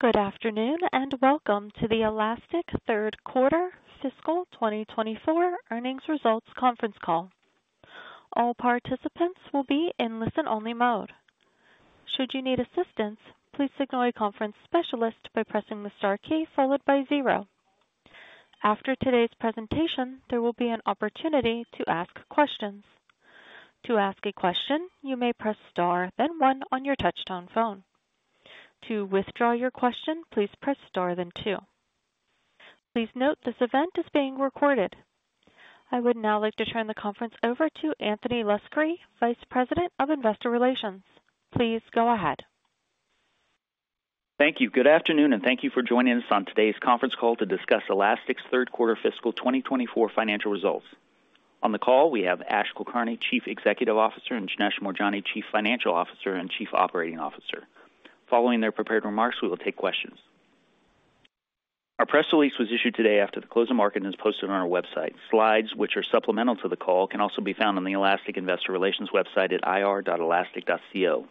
Good afternoon, and welcome to the Elastic third quarter fiscal 2024 earnings results conference call. All participants will be in listen-only mode. Should you need assistance, please signal a conference specialist by pressing the star key followed by zero. After today's presentation, there will be an opportunity to ask questions. To ask a question, you may press Star, then one on your touchtone phone. To withdraw your question, please press Star, then two. Please note, this event is being recorded. I would now like to turn the conference over to Anthony Luscri, Vice President of Investor Relations. Please go ahead. Thank you. Good afternoon, and thank you for joining us on today's conference call to discuss Elastic's third quarter fiscal 2024 financial results. On the call, we have Ash Kulkarni, Chief Executive Officer, and Janesh Moorjani, Chief Financial Officer and Chief Operating Officer. Following their prepared remarks, we will take questions. Our press release was issued today after the close of market and is posted on our website. Slides, which are supplemental to the call, can also be found on the Elastic Investor Relations website at ir.elastic.co.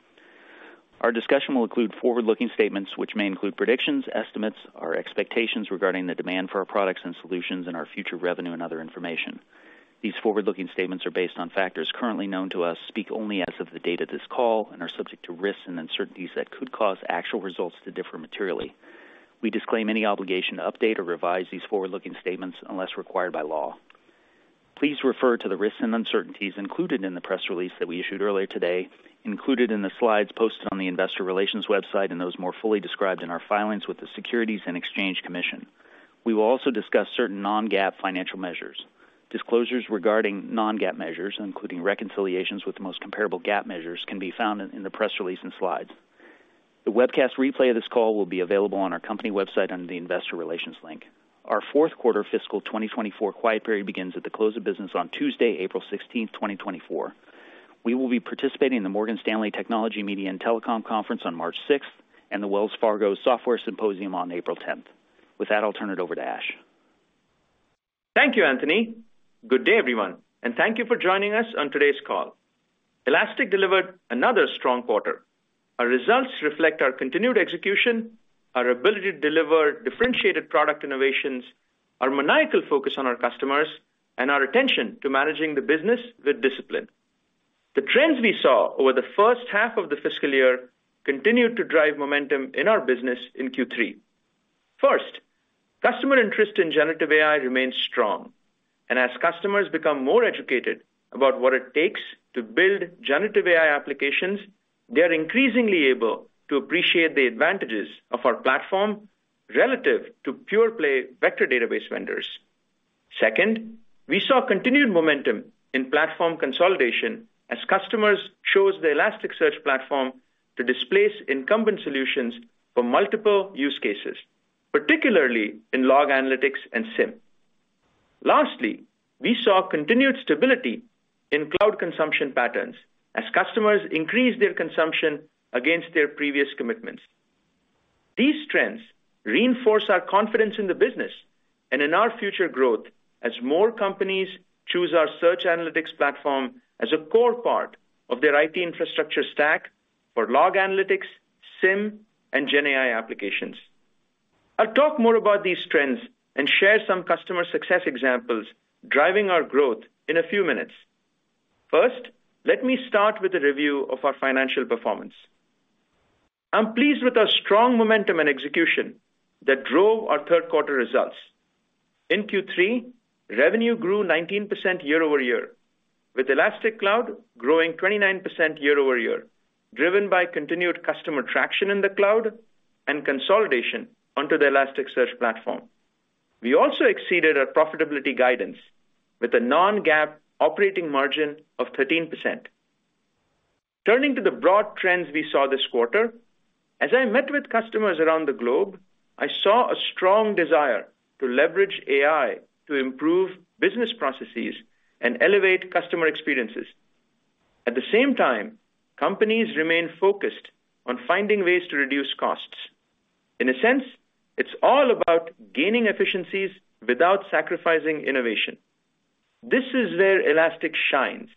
Our discussion will include forward-looking statements, which may include predictions, estimates, or expectations regarding the demand for our products and solutions and our future revenue and other information. These forward-looking statements are based on factors currently known to us, speak only as of the date of this call, and are subject to risks and uncertainties that could cause actual results to differ materially. We disclaim any obligation to update or revise these forward-looking statements unless required by law. Please refer to the risks and uncertainties included in the press release that we issued earlier today, included in the slides posted on the Investor Relations website, and those more fully described in our filings with the Securities and Exchange Commission. We will also discuss certain non-GAAP financial measures. Disclosures regarding non-GAAP measures, including reconciliations with the most comparable GAAP measures, can be found in the press release and slides. The webcast replay of this call will be available on our company website under the Investor Relations link. Our fourth quarter fiscal 2024 quiet period begins at the close of business on Tuesday, April 16th, 2024. We will be participating in the Morgan Stanley Technology, Media, and Telecom Conference on March 6th and the Wells Fargo Software Symposium on April 10th. With that, I'll turn it over to Ash. Thank you, Anthony. Good day, everyone, and thank you for joining us on today's call. Elastic delivered another strong quarter. Our results reflect our continued execution, our ability to deliver differentiated product innovations, our maniacal focus on our customers, and our attention to managing the business with discipline. The trends we saw over the first half of the fiscal year continued to drive momentum in our business in Q3. First, customer interest in generative AI remains strong, and as customers become more educated about what it takes to build generative AI applications, they are increasingly able to appreciate the advantages of our platform relative to pure-play vector database vendors. Second, we saw continued momentum in platform consolidation as customers chose the Elasticsearch platform to displace incumbent solutions for multiple use cases, particularly in log analytics and SIEM. Lastly, we saw continued stability in cloud consumption patterns as customers increased their consumption against their previous commitments. These trends reinforce our confidence in the business and in our future growth as more companies choose our search analytics platform as a core part of their IT infrastructure stack for log analytics, SIEM, and GenAI applications. I'll talk more about these trends and share some customer success examples driving our growth in a few minutes. First, let me start with a review of our financial performance. I'm pleased with our strong momentum and execution that drove our third quarter results. In Q3, revenue grew 19% year-over-year, with Elastic Cloud growing 29% year-over-year, driven by continued customer traction in the cloud and consolidation onto the Elasticsearch platform. We also exceeded our profitability guidance with a non-GAAP operating margin of 13%. Turning to the broad trends we saw this quarter, as I met with customers around the globe, I saw a strong desire to leverage AI to improve business processes and elevate customer experiences. At the same time, companies remain focused on finding ways to reduce costs. In a sense, it's all about gaining efficiencies without sacrificing innovation. This is where Elastic shines.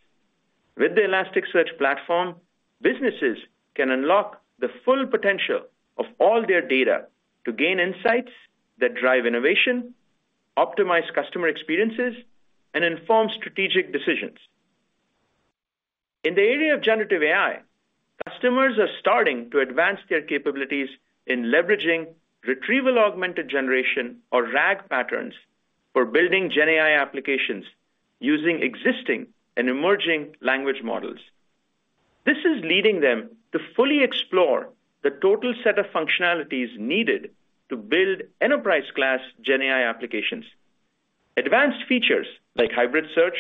With the Elasticsearch platform, businesses can unlock the full potential of all their data to gain insights that drive innovation, optimize customer experiences, and inform strategic decisions. In the area of generative AI, customers are starting to advance their capabilities in leveraging Retrieval Augmented Generation, or RAG patterns for building GenAI applications using existing and emerging language models. This is leading them to fully explore the total set of functionalities needed to build enterprise-class GenAI applications. Advanced features like hybrid search,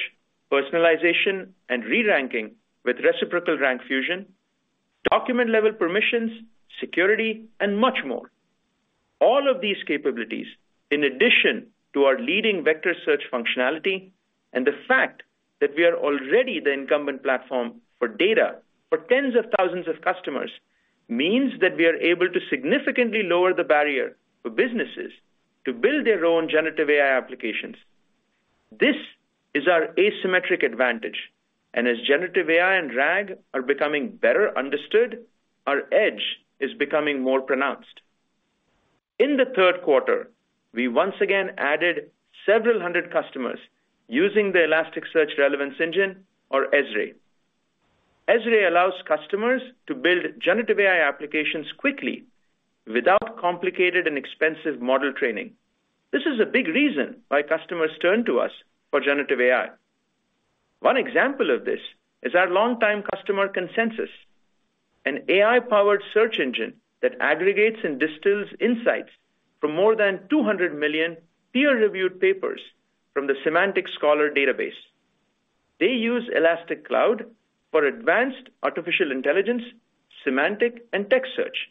personalization, and re-ranking with reciprocal rank fusion, document-level permissions, security, and much more. All of these capabilities, in addition to our leading vector search functionality and the fact that we are already the incumbent platform for data for tens of thousands of customers, means that we are able to significantly lower the barrier for businesses to build their own generative AI applications.... This is our asymmetric advantage, and as generative AI and RAG are becoming better understood, our edge is becoming more pronounced. In the third quarter, we once again added several hundred customers using the Elasticsearch Relevance Engine or ESRE. ESRE allows customers to build generative AI applications quickly without complicated and expensive model training. This is a big reason why customers turn to us for generative AI. One example of this is our longtime customer, Consensus, an AI-powered search engine that aggregates and distills insights from more than 200 million peer-reviewed papers from the Semantic Scholar database. They use Elastic Cloud for advanced artificial intelligence, semantic, and text search.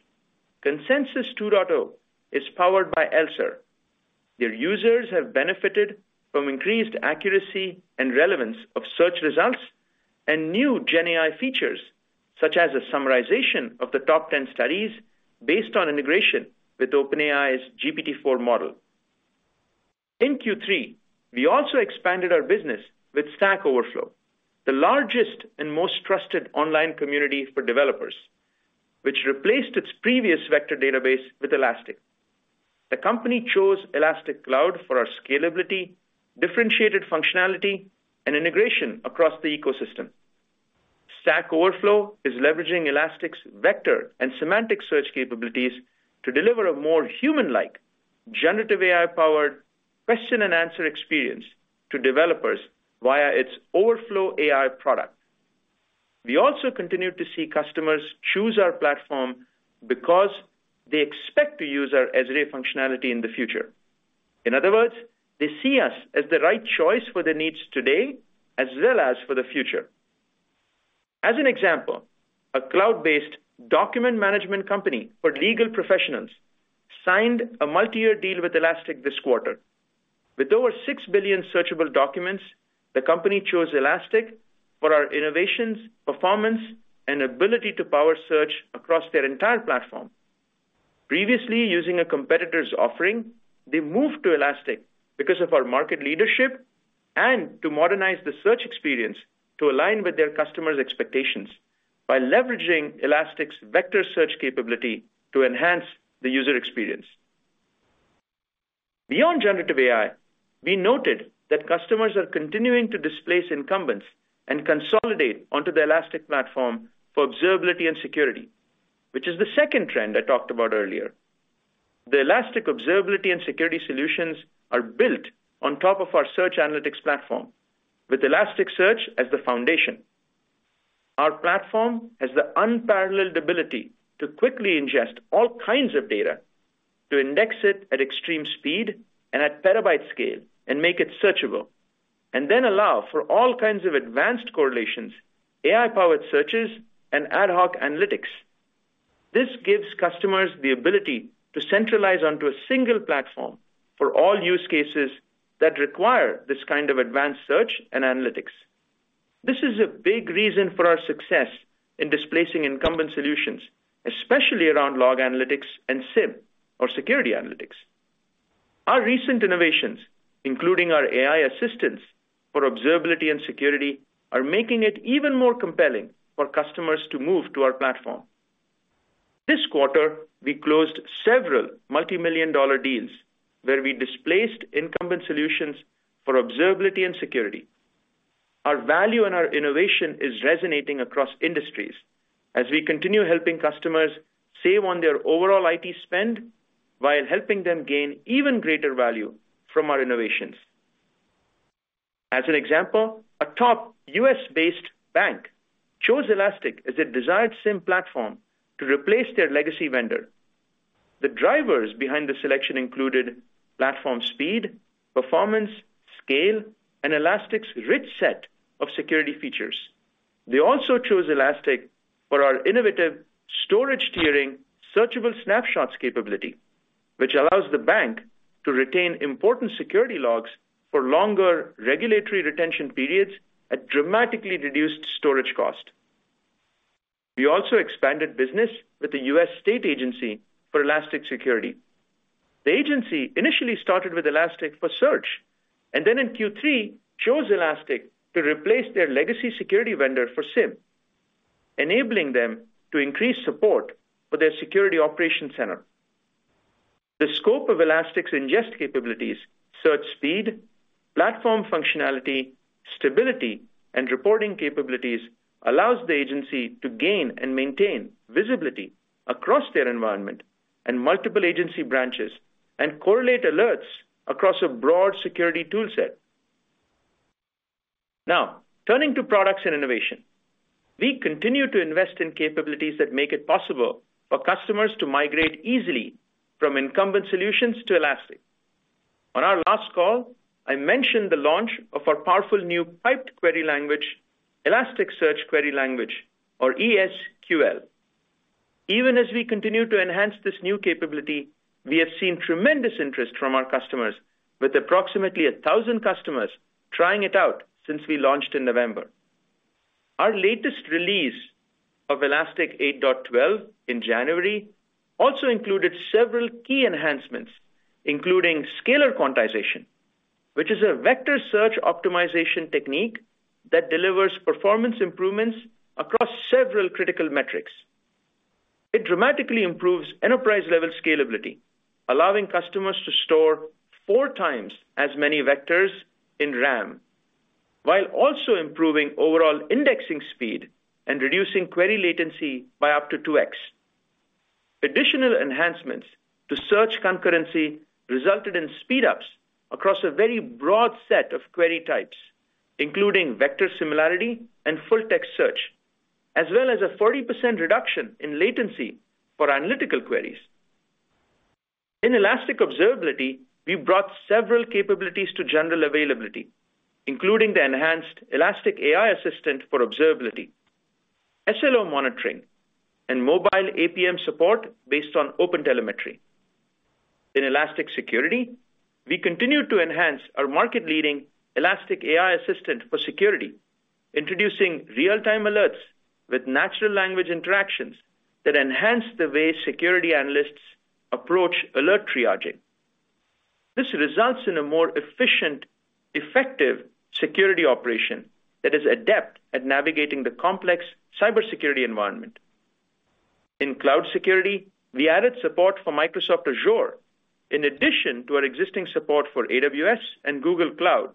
Consensus 2.0 is powered by ELSER. Their users have benefited from increased accuracy and relevance of search results and new GenAI features, such as a summarization of the top 10 studies based on integration with OpenAI's GPT-4 model. In Q3, we also expanded our business with Stack Overflow, the largest and most trusted online community for developers, which replaced its previous vector database with Elastic. The company chose Elastic Cloud for our scalability, differentiated functionality, and integration across the ecosystem. Stack Overflow is leveraging Elastic's vector and semantic search capabilities to deliver a more human-like, generative AI-powered question and answer experience to developers via its OverflowAI product. We also continued to see customers choose our platform because they expect to use our ESRE functionality in the future. In other words, they see us as the right choice for their needs today, as well as for the future. As an example, a cloud-based document management company for legal professionals signed a multi-year deal with Elastic this quarter. With over 6 billion searchable documents, the company chose Elastic for our innovations, performance, and ability to power search across their entire platform. Previously, using a competitor's offering, they moved to Elastic because of our market leadership and to modernize the search experience to align with their customers' expectations by leveraging Elastic's vector search capability to enhance the user experience. Beyond generative AI, we noted that customers are continuing to displace incumbents and consolidate onto the Elastic platform for observability and security, which is the second trend I talked about earlier. The Elastic observability and security solutions are built on top of our search analytics platform, with Elasticsearch as the foundation. Our platform has the unparalleled ability to quickly ingest all kinds of data, to index it at extreme speed and at terabyte scale, and make it searchable, and then allow for all kinds of advanced correlations, AI-powered searches, and ad hoc analytics. This gives customers the ability to centralize onto a single platform for all use cases that require this kind of advanced search and analytics. This is a big reason for our success in displacing incumbent solutions, especially around log analytics and SIEM, or security analytics. Our recent innovations, including our AI assistants for observability and security, are making it even more compelling for customers to move to our platform. This quarter, we closed several multimillion-dollar deals where we displaced incumbent solutions for observability and security. Our value and our innovation is resonating across industries as we continue helping customers save on their overall IT spend, while helping them gain even greater value from our innovations. As an example, a top U.S.-based bank chose Elastic as a desired SIEM platform to replace their legacy vendor. The drivers behind the selection included platform speed, performance, scale, and Elastic's rich set of security features. They also chose Elastic for our innovative storage tiering searchable snapshots capability, which allows the bank to retain important security logs for longer regulatory retention periods at dramatically reduced storage cost. We also expanded business with the U.S. State Agency for Elastic Security. The agency initially started with Elastic for search, and then in Q3, chose Elastic to replace their legacy security vendor for SIEM, enabling them to increase support for their security operations center. The scope of Elastic's ingest capabilities, search speed, platform functionality, stability, and reporting capabilities, allows the agency to gain and maintain visibility across their environment and multiple agency branches, and correlate alerts across a broad security toolset. Now, turning to products and innovation. We continue to invest in capabilities that make it possible for customers to migrate easily from incumbent solutions to Elastic. On our last call, I mentioned the launch of our powerful new piped query language, Elasticsearch Query Language, or ES|QL. Even as we continue to enhance this new capability, we have seen tremendous interest from our customers, with approximately 1,000 customers trying it out since we launched in November.... Our latest release of Elastic 8.12 in January also included several key enhancements, including scalar quantization, which is a vector search optimization technique that delivers performance improvements across several critical metrics. It dramatically improves enterprise-level scalability, allowing customers to store four times as many vectors in RAM, while also improving overall indexing speed and reducing query latency by up to 2x. Additional enhancements to search concurrency resulted in speed ups across a very broad set of query types, including vector similarity and full text search, as well as a 40% reduction in latency for analytical queries. In Elastic Observability, we brought several capabilities to general availability, including the enhanced Elastic AI Assistant for Observability, SLO monitoring, and mobile APM support based on OpenTelemetry. In Elastic Security, we continued to enhance our market-leading Elastic AI Assistant for Security, introducing real-time alerts with natural language interactions that enhance the way security analysts approach alert triaging. This results in a more efficient, effective security operation that is adept at navigating the complex cybersecurity environment. In cloud security, we added support for Microsoft Azure, in addition to our existing support for AWS and Google Cloud,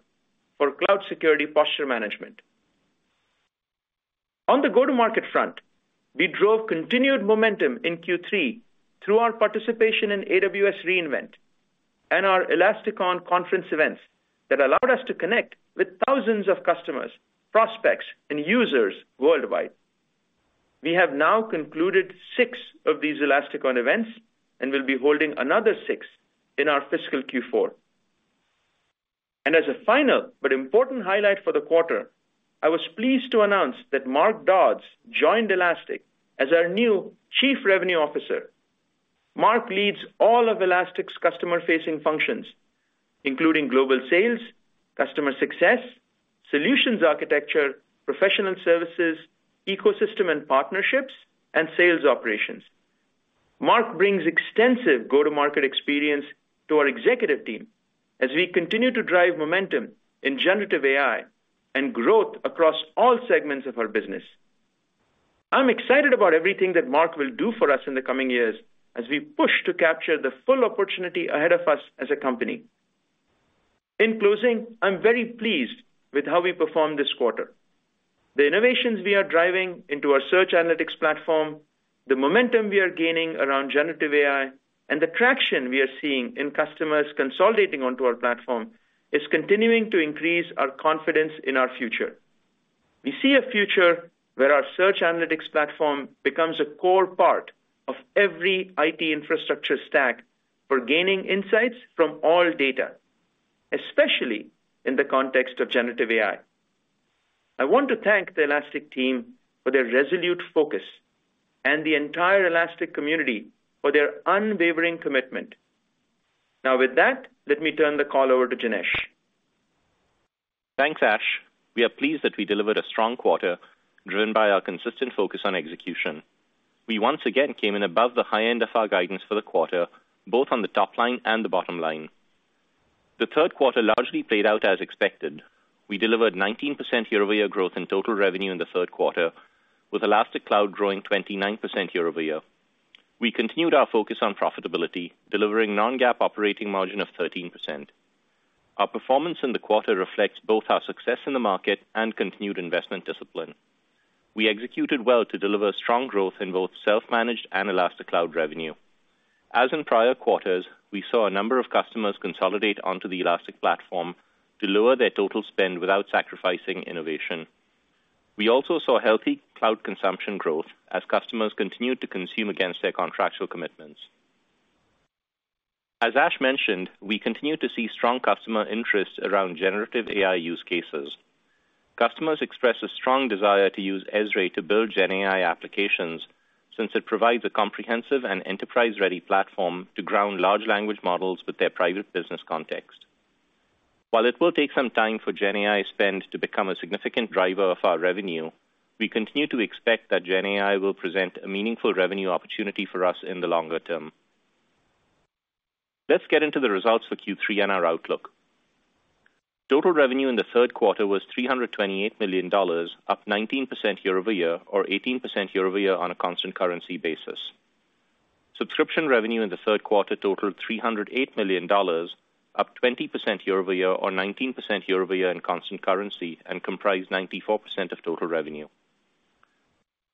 for cloud security posture management. On the go-to-market front, we drove continued momentum in Q3 through our participation in AWS re:Invent and our ElasticOn conference events that allowed us to connect with thousands of customers, prospects, and users worldwide. We have now concluded six of these ElasticOn events, and we'll be holding another six in our fiscal Q4. As a final but important highlight for the quarter, I was pleased to announce that Mark Dodds joined Elastic as our new Chief Revenue Officer. Mark leads all of Elastic's customer-facing functions, including global sales, customer success, solutions architecture, professional services, ecosystem and partnerships, and sales operations. Mark brings extensive go-to-market experience to our executive team as we continue to drive momentum in generative AI and growth across all segments of our business. I'm excited about everything that Mark will do for us in the coming years as we push to capture the full opportunity ahead of us as a company. In closing, I'm very pleased with how we performed this quarter. The innovations we are driving into our search analytics platform, the momentum we are gaining around generative AI, and the traction we are seeing in customers consolidating onto our platform, is continuing to increase our confidence in our future. We see a future where our search analytics platform becomes a core part of every IT infrastructure stack for gaining insights from all data, especially in the context of generative AI. I want to thank the Elastic team for their resolute focus and the entire Elastic community for their unwavering commitment. Now, with that, let me turn the call over to Janesh. Thanks, Ash. We are pleased that we delivered a strong quarter, driven by our consistent focus on execution. We once again came in above the high end of our guidance for the quarter, both on the top line and the bottom line. The third quarter largely played out as expected. We delivered 19% year-over-year growth in total revenue in the third quarter, with Elastic Cloud growing 29% year-over-year. We continued our focus on profitability, delivering non-GAAP operating margin of 13%. Our performance in the quarter reflects both our success in the market and continued investment discipline. We executed well to deliver strong growth in both self-managed and Elastic Cloud revenue. As in prior quarters, we saw a number of customers consolidate onto the Elastic platform to lower their total spend without sacrificing innovation. We also saw healthy cloud consumption growth as customers continued to consume against their contractual commitments. As Ash mentioned, we continue to see strong customer interest around generative AI use cases. Customers express a strong desire to use ESRE to build gen AI applications, since it provides a comprehensive and enterprise-ready platform to ground large language models with their private business context. While it will take some time for gen AI spend to become a significant driver of our revenue, we continue to expect that gen AI will present a meaningful revenue opportunity for us in the longer term. Let's get into the results for Q3 and our outlook. Total revenue in the third quarter was $328 million, up 19% year-over-year, or 18% year-over-year on a constant currency basis. Subscription revenue in the third quarter totaled $308 million, up 20% year-over-year, or 19% year-over-year in constant currency, and comprised 94% of total revenue.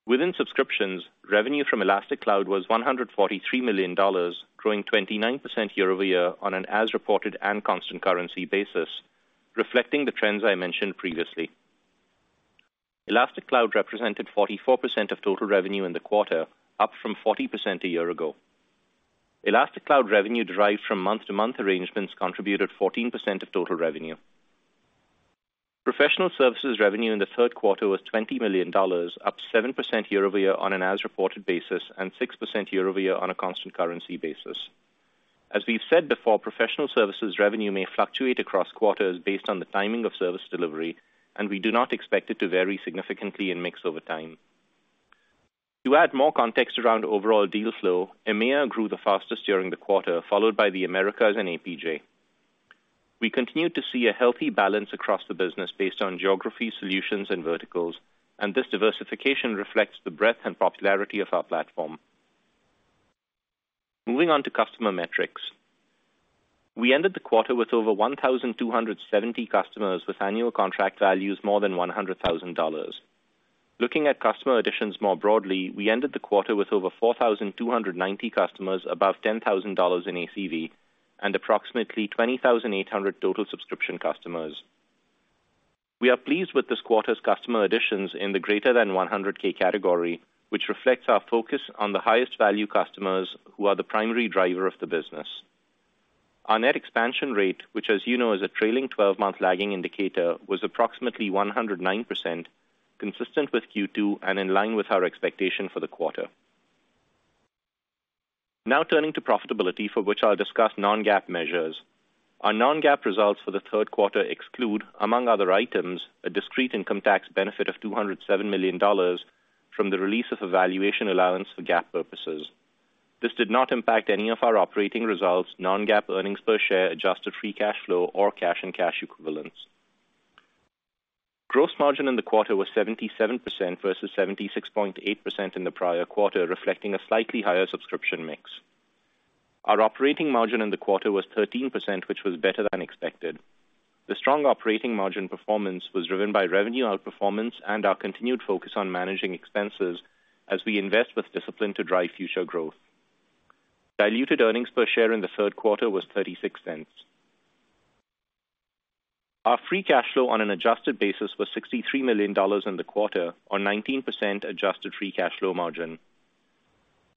Within subscriptions, revenue from Elastic Cloud was $143 million, growing 29% year-over-year on an as-reported and constant currency basis, reflecting the trends I mentioned previously. Elastic Cloud represented 44% of total revenue in the quarter, up from 40% a year ago. Elastic Cloud revenue derived from month-to-month arrangements contributed 14% of total revenue. Professional services revenue in the third quarter was $20 million, up 7% year-over-year on an as-reported basis, and 6% year-over-year on a constant currency basis. As we've said before, professional services revenue may fluctuate across quarters based on the timing of service delivery, and we do not expect it to vary significantly in mix over time. To add more context around overall deal flow, EMEA grew the fastest during the quarter, followed by the Americas and APJ. We continued to see a healthy balance across the business based on geography, solutions, and verticals, and this diversification reflects the breadth and popularity of our platform. Moving on to customer metrics. We ended the quarter with over 1,270 customers, with annual contract values more than $100,000. Looking at customer additions more broadly, we ended the quarter with over 4,290 customers, above $10,000 in ACV, and approximately 20,800 total subscription customers. We are pleased with this quarter's customer additions in the greater than 100K category, which reflects our focus on the highest value customers, who are the primary driver of the business. Our net expansion rate, which, as you know, is a trailing twelve-month lagging indicator, was approximately 109%, consistent with Q2 and in line with our expectation for the quarter. Now turning to profitability, for which I'll discuss non-GAAP measures. Our non-GAAP results for the third quarter exclude, among other items, a discrete income tax benefit of $207 million from the release of a valuation allowance for GAAP purposes. This did not impact any of our operating results, non-GAAP earnings per share, adjusted free cash flow, or cash and cash equivalents. Gross margin in the quarter was 77% versus 76.8% in the prior quarter, reflecting a slightly higher subscription mix. Our operating margin in the quarter was 13%, which was better than expected. The strong operating margin performance was driven by revenue outperformance and our continued focus on managing expenses as we invest with discipline to drive future growth. Diluted earnings per share in the third quarter was $0.36. Our free cash flow on an adjusted basis was $63 million in the quarter, on 19% adjusted free cash flow margin.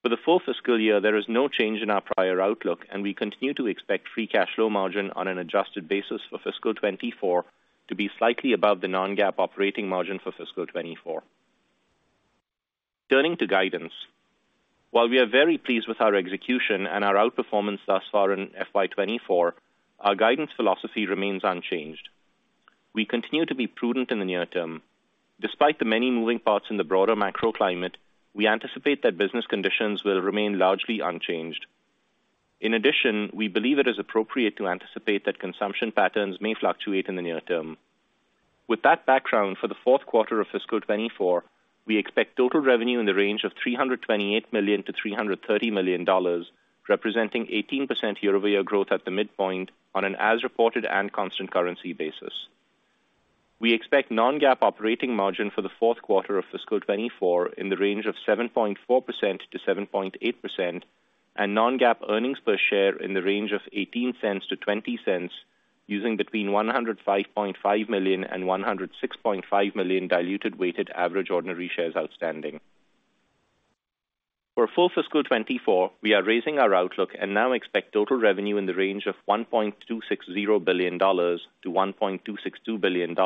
For the full fiscal year, there is no change in our prior outlook, and we continue to expect free cash flow margin on an adjusted basis for fiscal 2024 to be slightly above the non-GAAP operating margin for fiscal 2024. Turning to guidance. While we are very pleased with our execution and our outperformance thus far in FY 2024, our guidance philosophy remains unchanged. We continue to be prudent in the near term. Despite the many moving parts in the broader macro climate, we anticipate that business conditions will remain largely unchanged. In addition, we believe it is appropriate to anticipate that consumption patterns may fluctuate in the near term. With that background, for the fourth quarter of fiscal 2024, we expect total revenue in the range of $328 million-$330 million, representing 18% year-over-year growth at the midpoint on an as-reported and constant currency basis. We expect non-GAAP operating margin for the fourth quarter of fiscal 2024 in the range of 7.4%-7.8%, and non-GAAP earnings per share in the range of $0.18-$0.20, using between 105.5 million and 106.5 million diluted weighted average ordinary shares outstanding. For full fiscal 2024, we are raising our outlook and now expect total revenue in the range of $1.260 billion-$1.262 billion,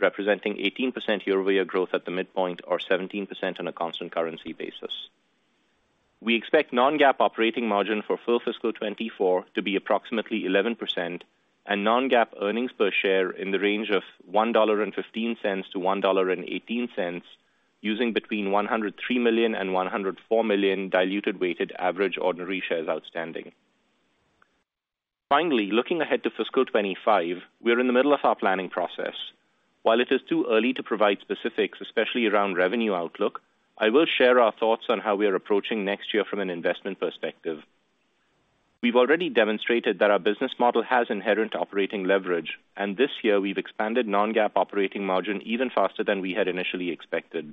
representing 18% year-over-year growth at the midpoint, or 17% on a constant currency basis. We expect non-GAAP operating margin for full fiscal 2024 to be approximately 11% and non-GAAP earnings per share in the range of $1.15-$1.18, using between 103 million and 104 million diluted weighted average ordinary shares outstanding. Finally, looking ahead to fiscal 2025, we're in the middle of our planning process. While it is too early to provide specifics, especially around revenue outlook, I will share our thoughts on how we are approaching next year from an investment perspective. We've already demonstrated that our business model has inherent operating leverage, and this year we've expanded non-GAAP operating margin even faster than we had initially expected.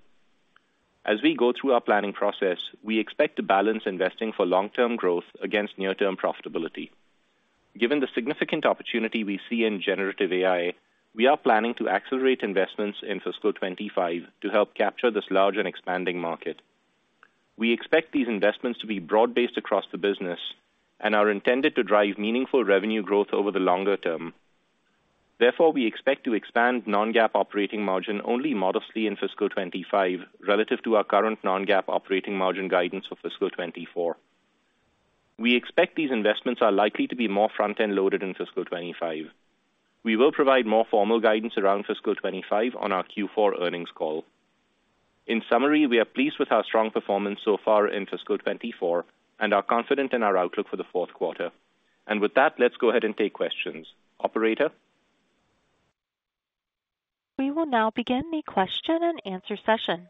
As we go through our planning process, we expect to balance investing for long-term growth against near-term profitability. Given the significant opportunity we see in generative AI, we are planning to accelerate investments in fiscal 2025 to help capture this large and expanding market. We expect these investments to be broad-based across the business and are intended to drive meaningful revenue growth over the longer term. Therefore, we expect to expand non-GAAP operating margin only modestly in fiscal 2025 relative to our current non-GAAP operating margin guidance for fiscal 2024. We expect these investments are likely to be more front-end loaded in fiscal 2025. We will provide more formal guidance around fiscal 2025 on our Q4 earnings call. In summary, we are pleased with our strong performance so far in fiscal 2024 and are confident in our outlook for the fourth quarter. With that, let's go ahead and take questions. Operator? We will now begin the question-and-answer session.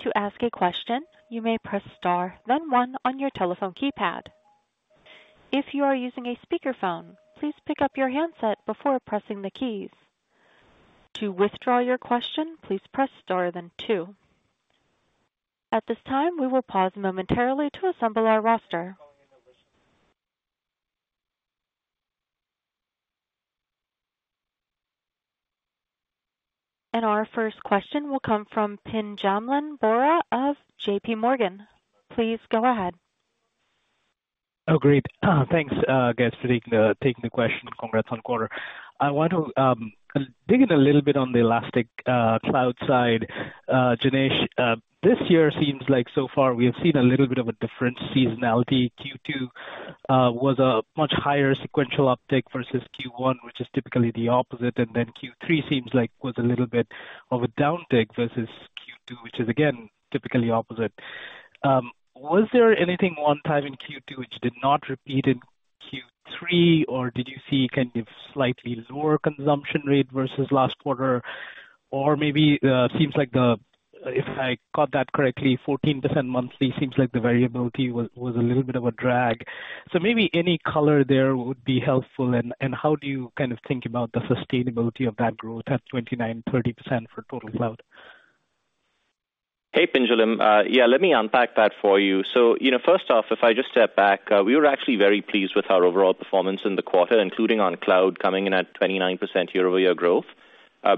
To ask a question, you may press star, then one on your telephone keypad. If you are using a speakerphone, please pick up your handset before pressing the keys. To withdraw your question, please press star, then two. At this time, we will pause momentarily to assemble our roster. Our first question will come from Pinjalim Bora of JPMorgan. Please go ahead. Oh, great. Thanks, guys, for taking the question, and congrats on the quarter. I want to dig in a little bit on the Elastic cloud side. Janesh, this year seems like so far we have seen a little bit of a different seasonality due to-... was a much higher sequential uptick versus Q1, which is typically the opposite, and then Q3 seems like was a little bit of a downtick versus Q2, which is, again, typically opposite. Was there anything one time in Q2 which did not repeat in Q3, or did you see kind of slightly lower consumption rate versus last quarter? Or maybe, seems like the, if I caught that correctly, 14% monthly seems like the variability was a little bit of a drag. So maybe any color there would be helpful. And how do you kind of think about the sustainability of that growth at 29%-30% for total cloud? Hey, Pinjalim. Yeah, let me unpack that for you. So, you know, first off, if I just step back, we were actually very pleased with our overall performance in the quarter, including on cloud, coming in at 29% year-over-year growth.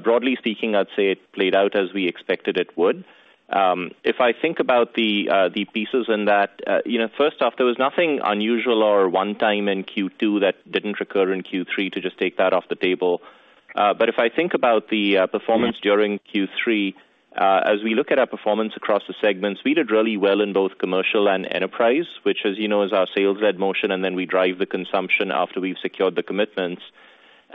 Broadly speaking, I'd say it played out as we expected it would. If I think about the pieces in that, you know, first off, there was nothing unusual or one-time in Q2 that didn't recur in Q3 to just take that off the table. But if I think about the performance during Q3, as we look at our performance across the segments, we did really well in both commercial and enterprise, which, as you know, is our sales-led motion, and then we drive the consumption after we've secured the commitments.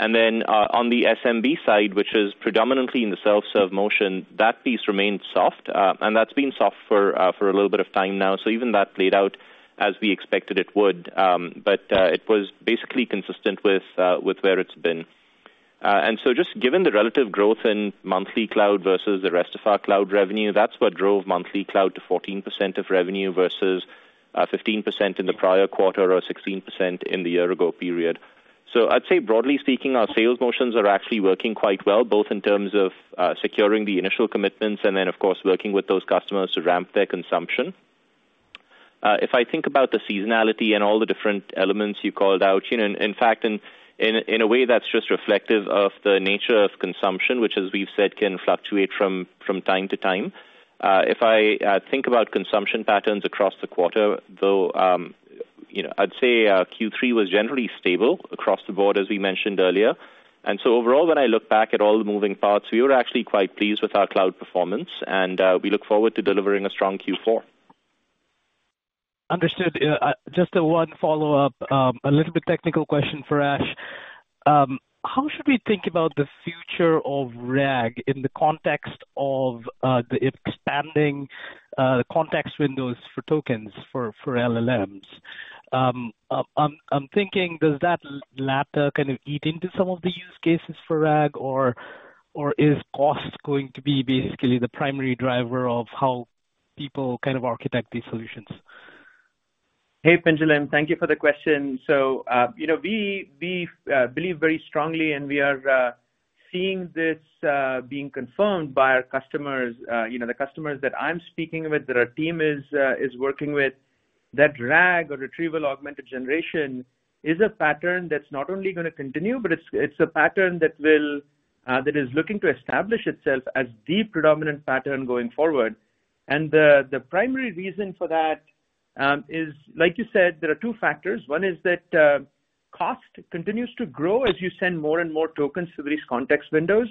And then, on the SMB side, which is predominantly in the self-serve motion, that piece remained soft, and that's been soft for a little bit of time now. So even that played out as we expected it would. But, it was basically consistent with where it's been. And so just given the relative growth in monthly cloud versus the rest of our cloud revenue, that's what drove monthly cloud to 14% of revenue versus 15% in the prior quarter or 16% in the year ago period. So I'd say, broadly speaking, our sales motions are actually working quite well, both in terms of securing the initial commitments and then, of course, working with those customers to ramp their consumption. If I think about the seasonality and all the different elements you called out, you know, and in fact, in a way, that's just reflective of the nature of consumption, which, as we've said, can fluctuate from time to time. If I think about consumption patterns across the quarter, though, you know, I'd say Q3 was generally stable across the board, as we mentioned earlier. And so overall, when I look back at all the moving parts, we were actually quite pleased with our cloud performance, and we look forward to delivering a strong Q4. Understood. Just one follow-up, a little bit technical question for Ash. How should we think about the future of RAG in the context of the expanding context windows for tokens for LLMs? I'm thinking, does that latter kind of eat into some of the use cases for RAG or is cost going to be basically the primary driver of how people kind of architect these solutions? Hey, Pinjalim, thank you for the question. So, you know, we believe very strongly, and we are seeing this being confirmed by our customers, you know, the customers that I'm speaking with, that our team is working with, that RAG or Retrieval Augmented Generation is a pattern that's not only gonna continue, but it's a pattern that will that is looking to establish itself as the predominant pattern going forward. And the primary reason for that is, like you said, there are two factors. One is that cost continues to grow as you send more and more tokens to these context windows.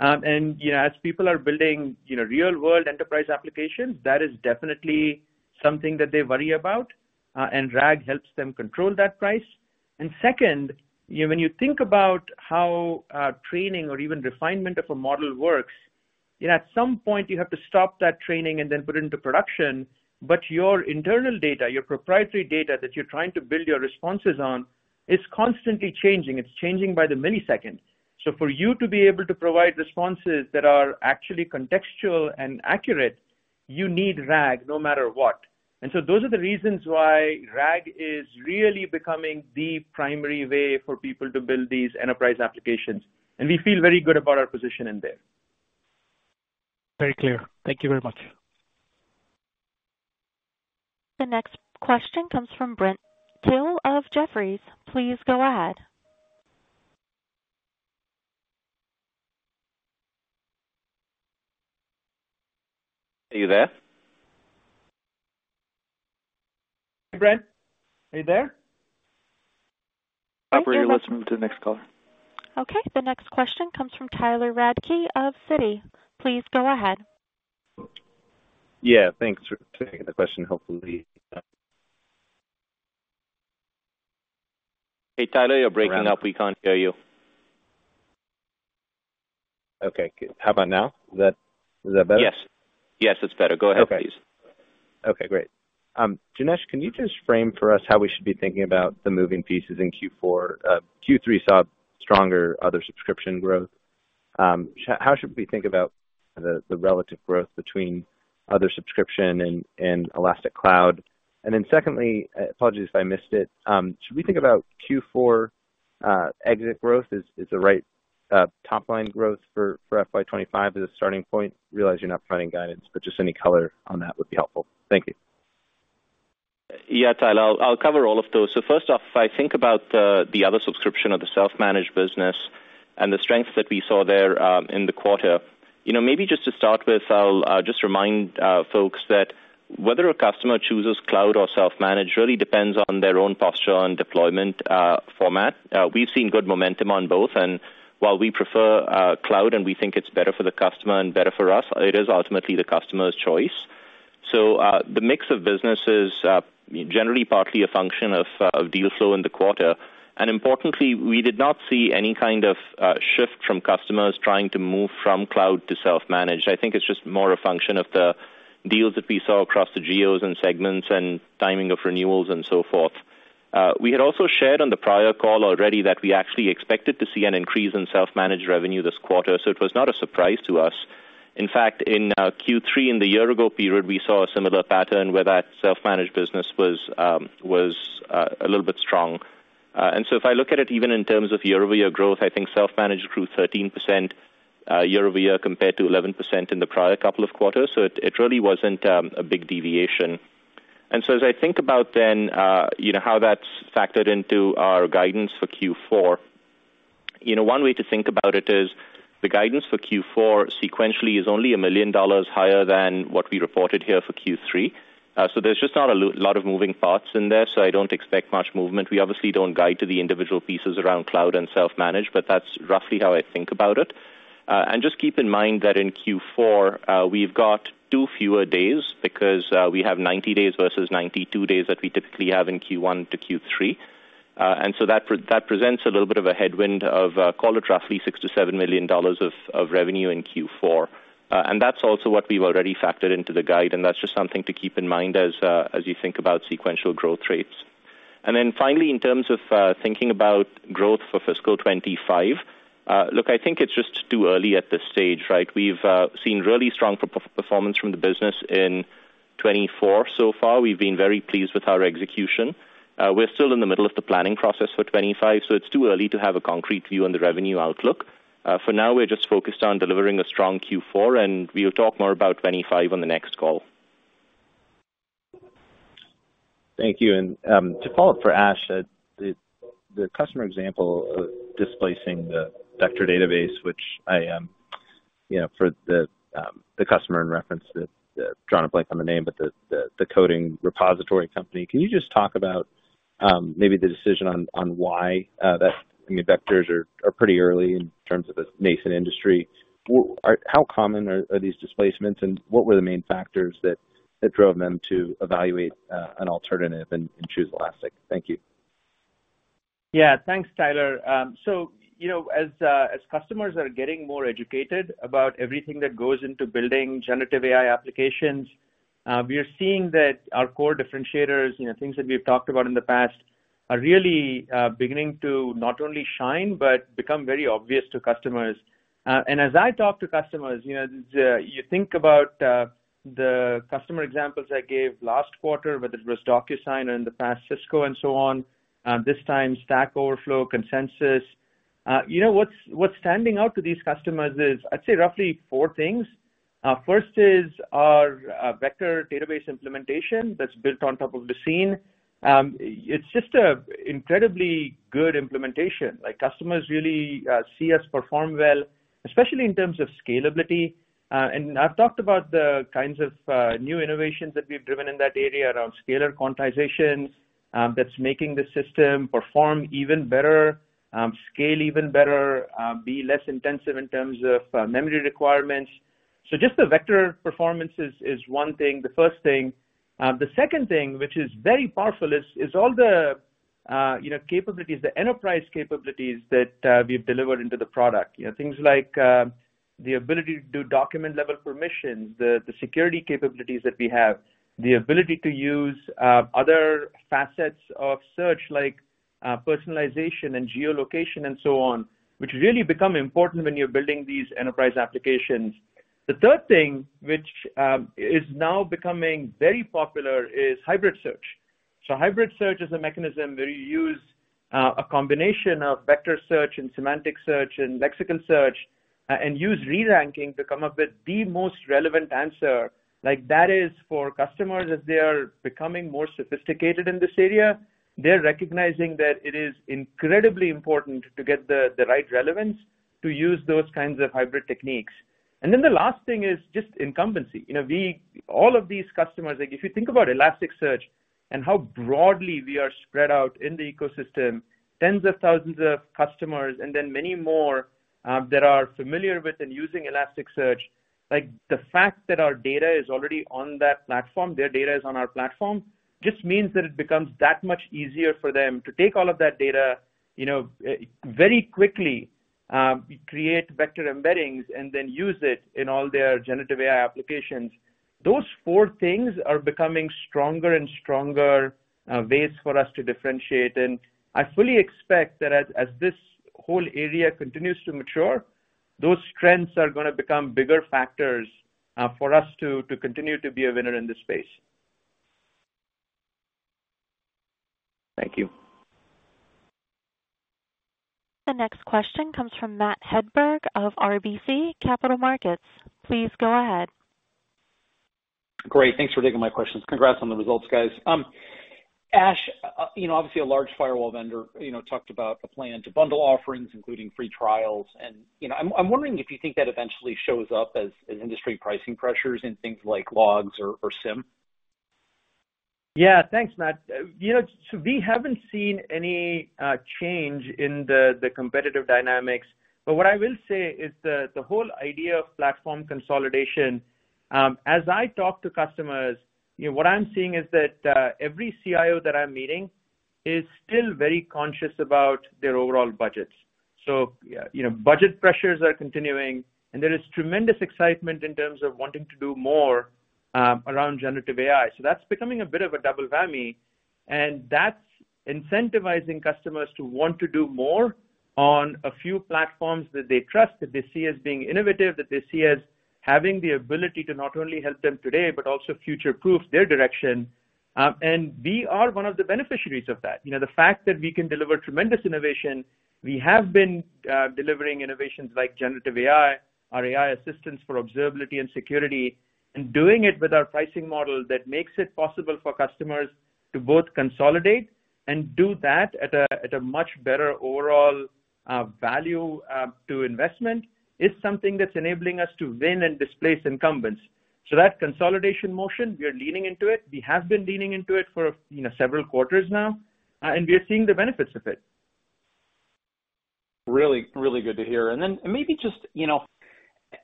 And, you know, as people are building, you know, real-world enterprise applications, that is definitely something that they worry about, and RAG helps them control that price. And second, you know, when you think about how training or even refinement of a model works, you know, at some point you have to stop that training and then put it into production. But your internal data, your proprietary data that you're trying to build your responses on, is constantly changing. It's changing by the millisecond. So for you to be able to provide responses that are actually contextual and accurate, you need RAG no matter what. And so those are the reasons why RAG is really becoming the primary way for people to build these enterprise applications, and we feel very good about our position in there. Very clear. Thank you very much. The next question comes from Brent Thill of Jefferies. Please go ahead. Are you there? Hey, Brent, are you there? Operator, let's move to the next caller. Okay, the next question comes from Tyler Radke of Citi. Please go ahead. Yeah, thanks for taking the question, hopefully... Hey, Tyler, you're breaking up. We can't hear you. Okay. How about now? Is that, is that better? Yes. Yes, it's better. Go ahead, please. Okay, great. Janesh, can you just frame for us how we should be thinking about the moving pieces in Q4? Q3 saw stronger other subscription growth. How should we think about the relative growth between other subscription and Elastic Cloud? And then secondly, apologies if I missed it, should we think about Q4 exit growth is the right top-line growth for FY25 as a starting point? Realize you're not providing guidance, but just any color on that would be helpful. Thank you. Yeah, Tyler, I'll cover all of those. So first off, if I think about the other subscription of the self-managed business and the strength that we saw there, in the quarter, you know, maybe just to start with, I'll just remind folks that whether a customer chooses cloud or self-managed really depends on their own posture on deployment format. We've seen good momentum on both, and while we prefer cloud and we think it's better for the customer and better for us, it is ultimately the customer's choice.... So, the mix of businesses generally partly a function of deal flow in the quarter. And importantly, we did not see any kind of shift from customers trying to move from cloud to self-managed. I think it's just more a function of the deals that we saw across the geos and segments and timing of renewals and so forth. We had also shared on the prior call already that we actually expected to see an increase in self-managed revenue this quarter, so it was not a surprise to us. In fact, in Q3, in the year ago period, we saw a similar pattern where that self-managed business was a little bit strong. And so if I look at it, even in terms of year-over-year growth, I think self-managed grew 13%, year-over-year, compared to 11% in the prior couple of quarters. So it really wasn't a big deviation. As I think about then, you know, how that's factored into our guidance for Q4, you know, one way to think about it is the guidance for Q4 sequentially is only $1 million higher than what we reported here for Q3. So there's just not a lot of moving parts in there, so I don't expect much movement. We obviously don't guide to the individual pieces around cloud and self-managed, but that's roughly how I think about it. And just keep in mind that in Q4, we've got two fewer days because we have 90 days versus 92 days that we typically have in Q1 to Q3. And so that presents a little bit of a headwind of, call it roughly $6 million-$7 million of revenue in Q4. And that's also what we've already factored into the guide, and that's just something to keep in mind as, as you think about sequential growth rates. And then finally, in terms of, thinking about growth for fiscal 2025, look, I think it's just too early at this stage, right? We've seen really strong performance from the business in 2024 so far. We've been very pleased with our execution. We're still in the middle of the planning process for 2025, so it's too early to have a concrete view on the revenue outlook. For now, we're just focused on delivering a strong Q4, and we'll talk more about 2025 on the next call. Thank you. And, to follow up for Ash, the customer example of displacing the vector database, which I, you know, for the customer in reference to, drawing a blank on the name, but the coding repository company. Can you just talk about, maybe the decision on why that, I mean, vectors are pretty early in terms of a nascent industry. How common are these displacements, and what were the main factors that drove them to evaluate an alternative and choose Elastic? Thank you. Yeah. Thanks, Tyler. So, you know, as customers are getting more educated about everything that goes into building generative AI applications, we are seeing that our core differentiators, you know, things that we've talked about in the past, are really beginning to not only shine but become very obvious to customers. And as I talk to customers, you know, you think about the customer examples I gave last quarter, whether it was DocuSign or in the past, Cisco and so on, this time, Stack Overflow, Consensus. You know, what's standing out to these customers is, I'd say, roughly four things. First is our vector database implementation that's built on top of Lucene. It's just a incredibly good implementation. Like, customers really see us perform well, especially in terms of scalability. And I've talked about the kinds of new innovations that we've driven in that area around Scalar Quantization, that's making the system perform even better, scale even better, be less intensive in terms of memory requirements. So just the vector performance is one thing, the first thing. The second thing, which is very powerful, is all the, you know, capabilities, the enterprise capabilities that we've delivered into the product. You know, things like the ability to do document-level permissions, the security capabilities that we have, the ability to use other facets of search, like personalization and geolocation and so on, which really become important when you're building these enterprise applications. The third thing, which is now becoming very popular, is Hybrid Search. So hybrid search is a mechanism where you use a combination of vector search and semantic search and lexical search and use re-ranking to come up with the most relevant answer. Like, that is for customers, as they are becoming more sophisticated in this area, they're recognizing that it is incredibly important to get the right relevance, to use those kinds of hybrid techniques. And then the last thing is just incumbency. You know, we... All of these customers, like, if you think about Elasticsearch and how broadly we are spread out in the ecosystem, tens of thousands of customers and then many more that are familiar with and using Elasticsearch, like, the fact that our data is already on that platform, their data is on our platform, just means that it becomes that much easier for them to take all of that data, you know, very quickly, create vector embeddings and then use it in all their generative AI applications. Those four things are becoming stronger and stronger ways for us to differentiate. And I fully expect that as this whole area continues to mature, those strengths are gonna become bigger factors for us to continue to be a winner in this space. Thank you. The next question comes from Matt Hedberg of RBC Capital Markets. Please go ahead. Great. Thanks for taking my questions. Congrats on the results, guys. Ash, you know, obviously, a large firewall vendor, you know, talked about a plan to bundle offerings, including free trials. And, you know, I'm wondering if you think that eventually shows up as, as industry pricing pressures in things like logs or, or SIEM? Yeah, thanks, Matt. You know, so we haven't seen any change in the competitive dynamics, but what I will say is the whole idea of platform consolidation, as I talk to customers, you know, what I'm seeing is that every CIO that I'm meeting is still very conscious about their overall budgets. So, you know, budget pressures are continuing, and there is tremendous excitement in terms of wanting to do more around generative AI. So that's becoming a bit of a double whammy, and that's incentivizing customers to want to do more on a few platforms that they trust, that they see as being innovative, that they see as having the ability to not only help them today, but also future-proof their direction. And we are one of the beneficiaries of that. You know, the fact that we can deliver tremendous innovation, we have been delivering innovations like generative AI, our AI assistants for observability and security, and doing it with our pricing model that makes it possible for customers to both consolidate and do that at a much better overall value to investment, is something that's enabling us to win and displace incumbents. So that consolidation motion, we are leaning into it. We have been leaning into it for, you know, several quarters now, and we are seeing the benefits of it. Really, really good to hear. And then maybe just, you know,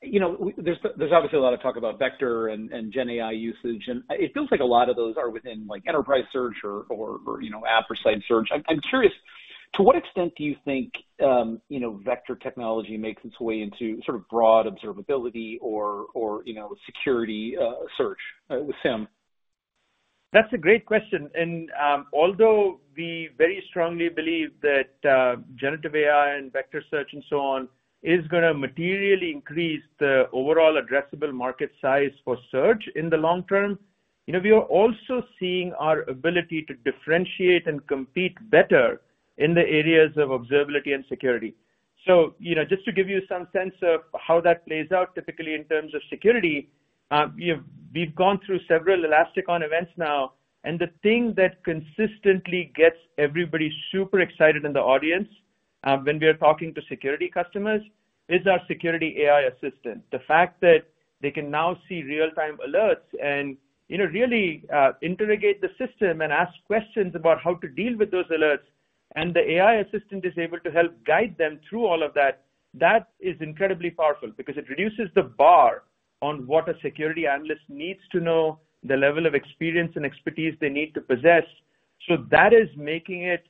you know, there's, there's obviously a lot of talk about vector and, and GenAI usage, and it feels like a lot of those are within, like, enterprise search or, or, you know, app or site search. I'm, I'm curious, to what extent do you think, you know, vector technology makes its way into sort of broad observability or, or, you know, security search with SIEM? That's a great question. And, although we very strongly believe that, generative AI and vector search and so on, is gonna materially increase the overall addressable market size for search in the long term, you know, we are also seeing our ability to differentiate and compete better in the areas of observability and security. So, you know, just to give you some sense of how that plays out, typically, in terms of security, we've gone through several Elasticon events now, and the thing that consistently gets everybody super excited in the audience, when we are talking to security customers, is our security AI assistant. The fact that they can now see real-time alerts and, you know, really, interrogate the system and ask questions about how to deal with those alerts, and the AI assistant is able to help guide them through all of that, that is incredibly powerful because it reduces the bar on what a security analyst needs to know, the level of experience and expertise they need to possess. So that is making it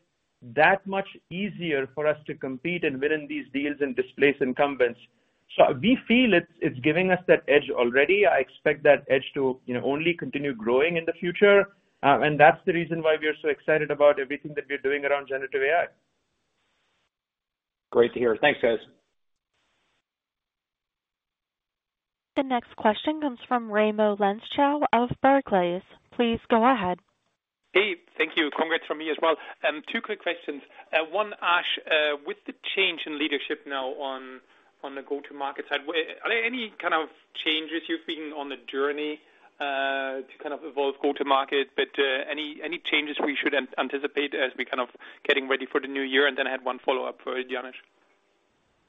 that much easier for us to compete and win in these deals and displace incumbents. So we feel it's, it's giving us that edge already. I expect that edge to, you know, only continue growing in the future, and that's the reason why we are so excited about everything that we're doing around generative AI. Great to hear. Thanks, guys. The next question comes from Raimo Lenschow of Barclays. Please go ahead. Hey, thank you. Congrats from me as well. Two quick questions. One, Ash, with the change in leadership now on the go-to-market side, are there any kind of changes you've seen on the journey to kind of evolve go-to-market, but any changes we should anticipate as we kind of getting ready for the new year? And then I had one follow-up for Janesh.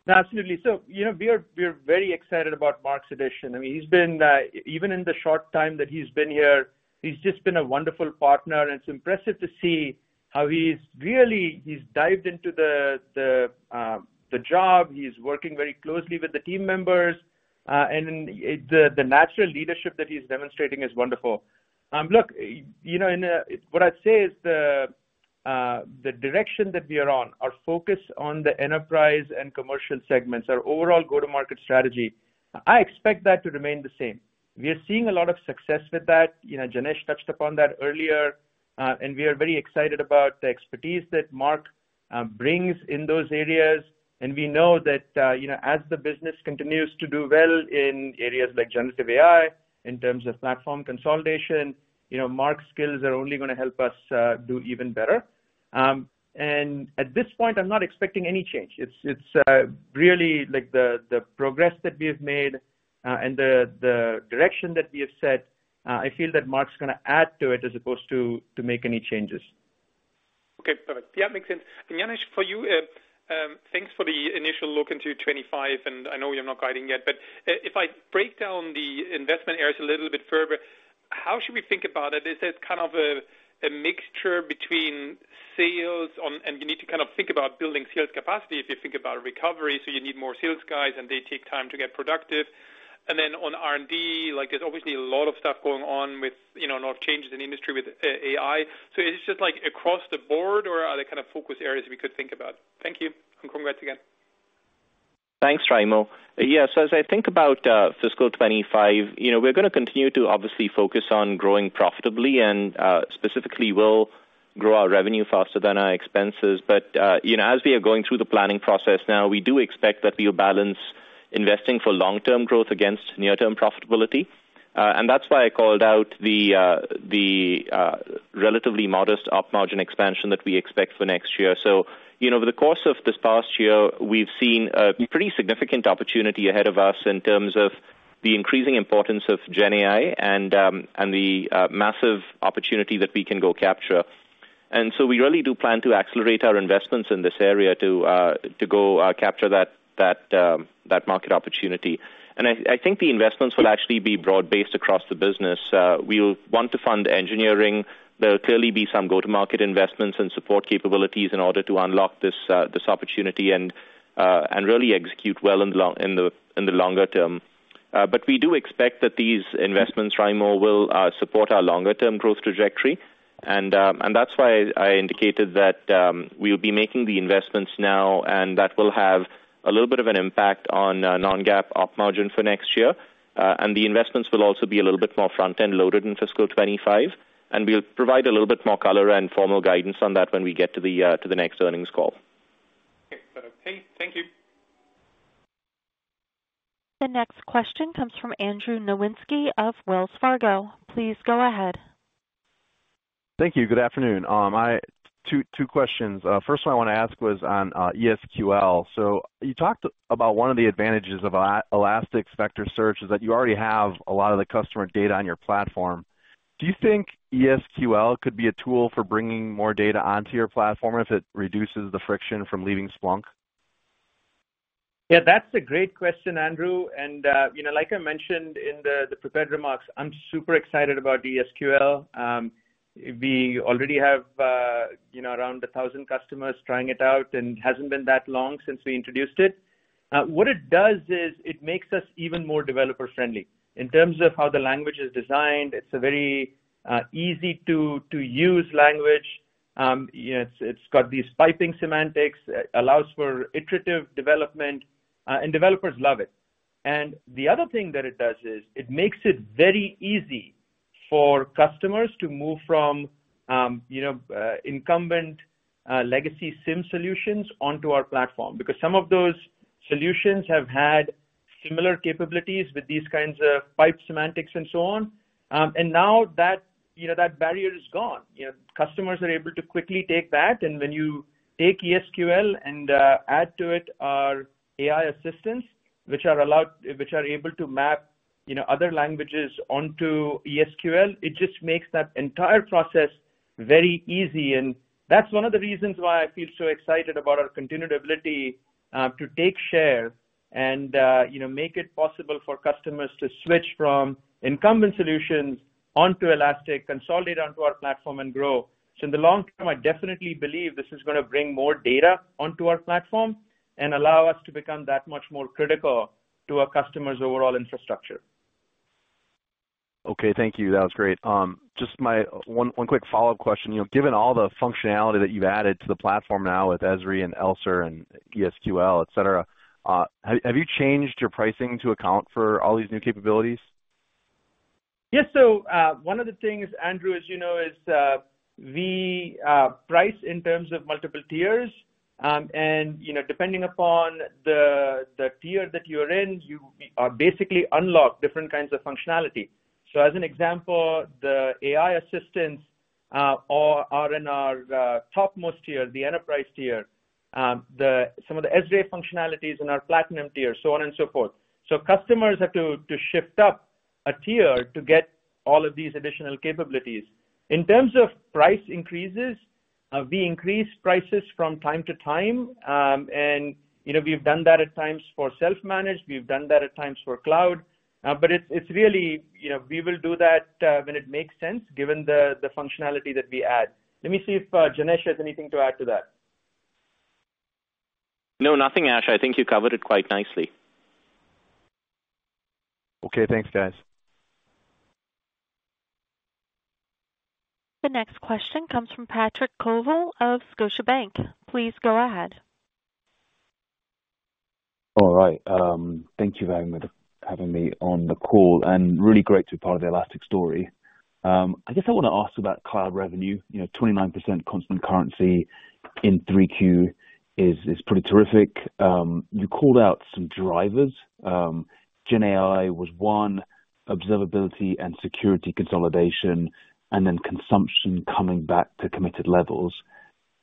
Absolutely. So, you know, we are very excited about Mark's addition. I mean, he's been even in the short time that he's been here, he's just been a wonderful partner, and it's impressive to see how he's really dived into the job. He's working very closely with the team members, and the natural leadership that he's demonstrating is wonderful. Look, you know, and what I'd say is the direction that we are on, our focus on the enterprise and commercial segments, our overall go-to-market strategy, I expect that to remain the same. We are seeing a lot of success with that. You know, Janesh touched upon that earlier, and we are very excited about the expertise that Mark brings in those areas. And we know that, you know, as the business continues to do well in areas like generative AI, in terms of platform consolidation, you know, Mark's skills are only gonna help us do even better. And at this point, I'm not expecting any change. It's really, like, the progress that we have made, and the direction that we have set, I feel that Mark's gonna add to it as opposed to make any changes. Okay, perfect. Yeah, makes sense. Janesh, for you, thanks for the initial look into 25, and I know you're not guiding yet, but, if I break down the investment areas a little bit further, how should we think about it? Is it kind of a, a mixture between sales on-- and you need to kind of think about building sales capacity if you think about recovery, so you need more sales guys, and they take time to get productive. And then on R&D, like, there's obviously a lot of stuff going on with, you know, a lot of changes in the industry with, AI. So is it just, like, across the board, or are there kind of focus areas we could think about? Thank you, and congrats again. Thanks, Raimo. Yes, as I think about fiscal 25, you know, we're gonna continue to obviously focus on growing profitably and specifically, we'll grow our revenue faster than our expenses. But you know, as we are going through the planning process now, we do expect that we'll balance investing for long-term growth against near-term profitability. And that's why I called out the relatively modest op margin expansion that we expect for next year. So, you know, over the course of this past year, we've seen a pretty significant opportunity ahead of us in terms of the increasing importance of GenAI and the massive opportunity that we can go capture.... And so we really do plan to accelerate our investments in this area to go capture that market opportunity. And I think the investments will actually be broad-based across the business. We'll want to fund engineering. There'll clearly be some go-to-market investments and support capabilities in order to unlock this opportunity and really execute well in the longer term. But we do expect that these investments, Raimo, will support our longer-term growth trajectory. And that's why I indicated that we'll be making the investments now, and that will have a little bit of an impact on non-GAAP op margin for next year. The investments will also be a little bit more front-end loaded in fiscal 2025, and we'll provide a little bit more color and formal guidance on that when we get to the next earnings call. Okay. Thank you. The next question comes from Andrew Nowinski of Wells Fargo. Please go ahead. Thank you. Good afternoon. Two, two questions. First one I want to ask was on ES|QL. So you talked about one of the advantages of Elastic vector search is that you already have a lot of the customer data on your platform. Do you think ES|QL could be a tool for bringing more data onto your platform if it reduces the friction from leaving Splunk? Yeah, that's a great question, Andrew. And, you know, like I mentioned in the prepared remarks, I'm super excited about the ES|QL. We already have, you know, around 1,000 customers trying it out, and it hasn't been that long since we introduced it. What it does is, it makes us even more developer-friendly. In terms of how the language is designed, it's a very easy to use language. You know, it's got these piping semantics, allows for iterative development, and developers love it. And the other thing that it does is, it makes it very easy for customers to move from, you know, incumbent legacy SIEM solutions onto our platform, because some of those solutions have had similar capabilities with these kinds of pipe semantics and so on. And now that, you know, that barrier is gone, you know, customers are able to quickly take that, and when you take ES|QL and add to it our AI assistants, which are able to map, you know, other languages onto ES|QL, it just makes that entire process very easy, and that's one of the reasons why I feel so excited about our continued ability to take share and, you know, make it possible for customers to switch from incumbent solutions onto Elastic, consolidate onto our platform and grow. So in the long term, I definitely believe this is gonna bring more data onto our platform and allow us to become that much more critical to our customers' overall infrastructure. Okay, thank you. That was great. Just my one quick follow-up question. You know, given all the functionality that you've added to the platform now with ESRE and ELSER and ES|QL, et cetera, have you changed your pricing to account for all these new capabilities? Yes. So, one of the things, Andrew, as you know, is, we price in terms of multiple tiers. And, you know, depending upon the tier that you're in, you basically unlock different kinds of functionality. So as an example, the AI assistants are in our topmost tier, the Enterprise tier. Then some of the ESRE functionalities in our Platinum tier, so on and so forth. So customers have to shift up a tier to get all of these additional capabilities. In terms of price increases, we increase prices from time to time, and, you know, we've done that at times for self-managed, we've done that at times for cloud. But it's really, you know, we will do that when it makes sense, given the functionality that we add. Let me see if, Janesh has anything to add to that. No, nothing, Ash. I think you covered it quite nicely. Okay. Thanks, guys. The next question comes from Patrick Colville of Scotiabank. Please go ahead. All right. Thank you very much for having me on the call, and really great to be part of the Elastic story. I guess I want to ask about cloud revenue. You know, 29% constant currency in Q3 is pretty terrific. You called out some drivers. Gen AI was one, observability and security consolidation, and then consumption coming back to committed levels.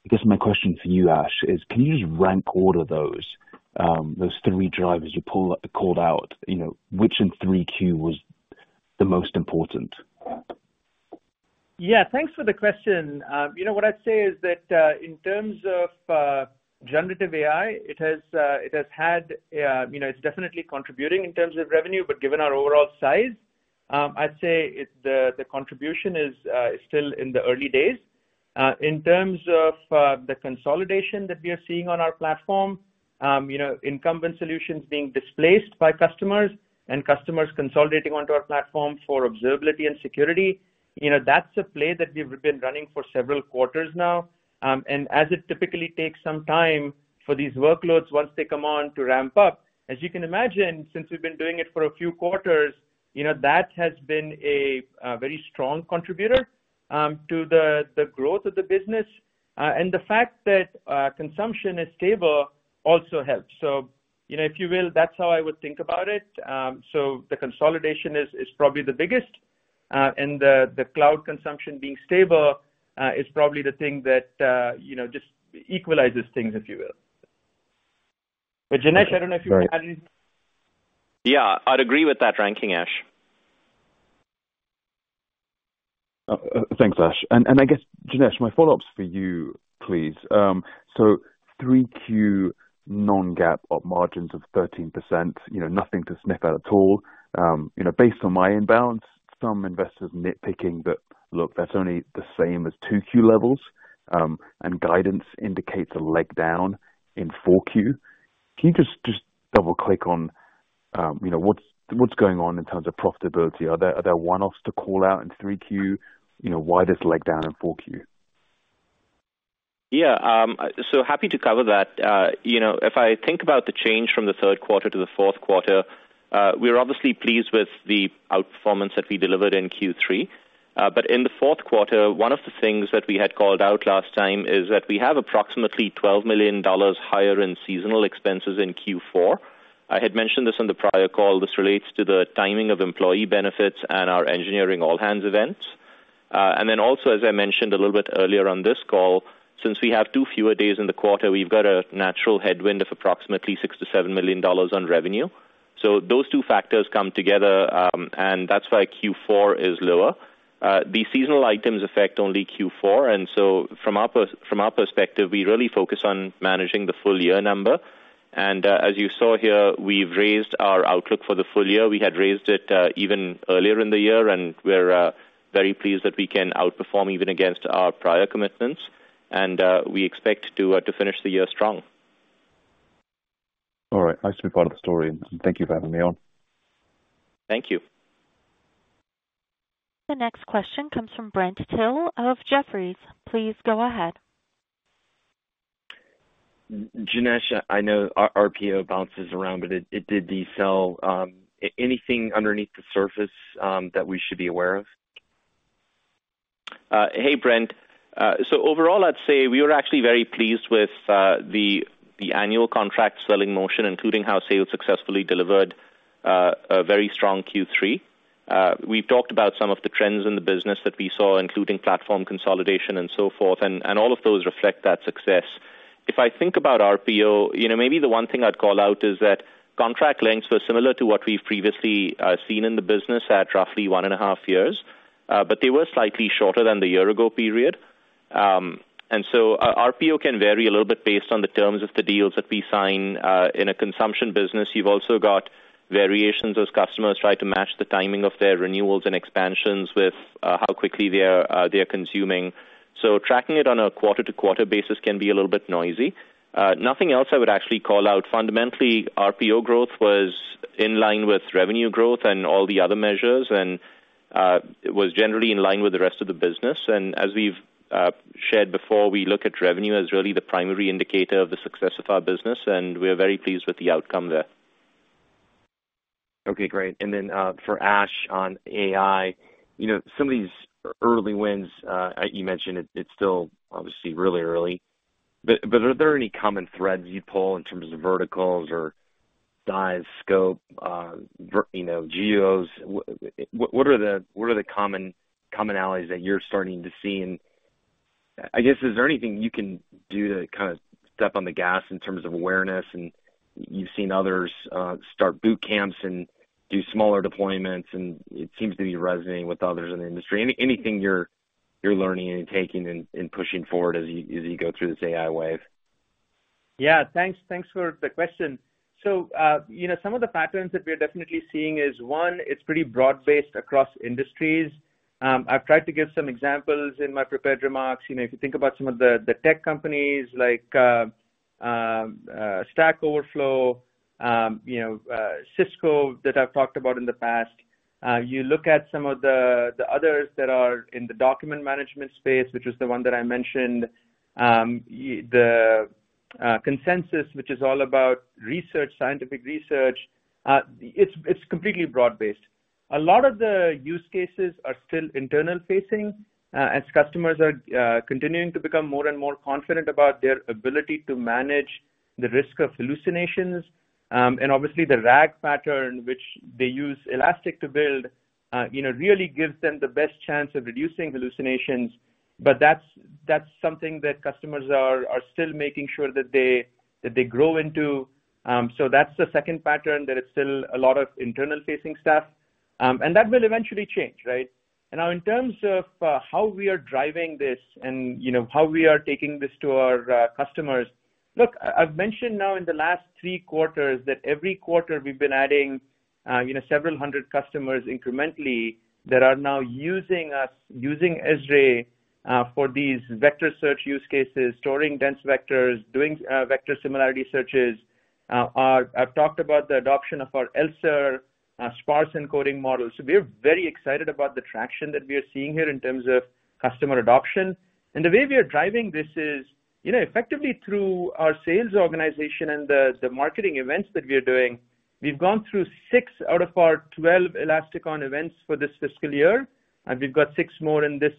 I guess my question for you, Ash, is can you just rank order those, those three drivers you pull up- called out, you know, which in Q3 was the most important? Yeah, thanks for the question. You know, what I'd say is that, in terms of generative AI, it has, it has had, you know, it's definitely contributing in terms of revenue, but given our overall size, I'd say it's the, the contribution is still in the early days. In terms of the consolidation that we are seeing on our platform, you know, incumbent solutions being displaced by customers and customers consolidating onto our platform for observability and security, you know, that's a play that we've been running for several quarters now. And as it typically takes some time for these workloads, once they come on, to ramp up, as you can imagine, since we've been doing it for a few quarters, you know, that has been a very strong contributor to the growth of the business. And the fact that consumption is stable also helps. So, you know, if you will, that's how I would think about it. So the consolidation is probably the biggest, and the cloud consumption being stable is probably the thing that you know, just equalizes things, if you will... But Janesh, I don't know if you can add anything? Yeah, I'd agree with that, ranking Ash. Thanks, Ash. And I guess, Janesh, my follow-up's for you, please. So 3Q non-GAAP margins of 13%, you know, nothing to sniff at all. You know, based on my inbounds, some investors nitpicking that, look, that's only the same as 2Q levels, and guidance indicates a leg down in 4Q. Can you just double-click on, you know, what's going on in terms of profitability? Are there one-offs to call out in 3Q? You know, why this leg down in 4Q? Yeah, so happy to cover that. You know, if I think about the change from the third quarter to the fourth quarter, we're obviously pleased with the outperformance that we delivered in Q3. But in the fourth quarter, one of the things that we had called out last time is that we have approximately $12 million higher in seasonal expenses in Q4. I had mentioned this on the prior call. This relates to the timing of employee benefits and our engineering all hands events. And then also, as I mentioned a little bit earlier on this call, since we have two fewer days in the quarter, we've got a natural headwind of approximately $6 million-$7 million on revenue. So those two factors come together, and that's why Q4 is lower. These seasonal items affect only Q4, and so from our perspective, we really focus on managing the full year number. And, as you saw here, we've raised our outlook for the full year. We had raised it, even earlier in the year, and we're very pleased that we can outperform even against our prior commitments, and we expect to finish the year strong. All right. Nice to be part of the story, and thank you for having me on. Thank you. The next question comes from Brent Thill of Jefferies. Please go ahead. Janesh, I know our RPO bounces around, but it, it did decel. Anything underneath the surface that we should be aware of? Hey, Brent. So overall, I'd say we were actually very pleased with the annual contract selling motion, including how sales successfully delivered a very strong Q3. We've talked about some of the trends in the business that we saw, including platform consolidation and so forth, and all of those reflect that success. If I think about RPO, you know, maybe the one thing I'd call out is that contract lengths were similar to what we've previously seen in the business at roughly one and a half years, but they were slightly shorter than the year ago period. And so our RPO can vary a little bit based on the terms of the deals that we sign. In a consumption business, you've also got variations as customers try to match the timing of their renewals and expansions with how quickly they are, they are consuming. So tracking it on a quarter-to-quarter basis can be a little bit noisy. Nothing else I would actually call out. Fundamentally, RPO growth was in line with revenue growth and all the other measures, and it was generally in line with the rest of the business. And as we've shared before, we look at revenue as really the primary indicator of the success of our business, and we are very pleased with the outcome there. Okay, great. And then, for Ash, on AI, you know, some of these early wins, you mentioned it, it's still obviously really early, but are there any common threads you pull in terms of verticals or size, scope, you know, geos? What are the commonalities that you're starting to see? And I guess, is there anything you can do to kind of step on the gas in terms of awareness? And you've seen others start boot camps and do smaller deployments, and it seems to be resonating with others in the industry. Anything you're learning and taking and pushing forward as you go through this AI wave? Yeah, thanks. Thanks for the question. So, you know, some of the patterns that we are definitely seeing is, one, it's pretty broad-based across industries. I've tried to give some examples in my prepared remarks. You know, if you think about some of the tech companies like Stack Overflow, you know, Cisco, that I've talked about in the past, you look at some of the others that are in the document management space, which is the one that I mentioned, the Consensus, which is all about research, scientific research, it's completely broad based. A lot of the use cases are still internal facing, as customers are continuing to become more and more confident about their ability to manage the risk of hallucinations. And obviously, the RAG pattern, which they use Elastic to build, you know, really gives them the best chance of reducing hallucinations. But that's something that customers are still making sure that they grow into. So that's the second pattern, that it's still a lot of internal facing stuff, and that will eventually change, right? And now, in terms of how we are driving this and, you know, how we are taking this to our customers. Look, I've mentioned now in the last three quarters that every quarter we've been adding, you know, several hundred customers incrementally that are now using us, using Elasticsearch, for these vector search use cases, storing dense vectors, doing vector similarity searches. I've talked about the adoption of our ELSER sparse encoding models. So we're very excited about the traction that we are seeing here in terms of customer adoption. And the way we are driving this is, you know, effectively through our sales organization and the marketing events that we are doing. We've gone through 6 out of our 12 ElasticOn events for this fiscal year, and we've got six more in this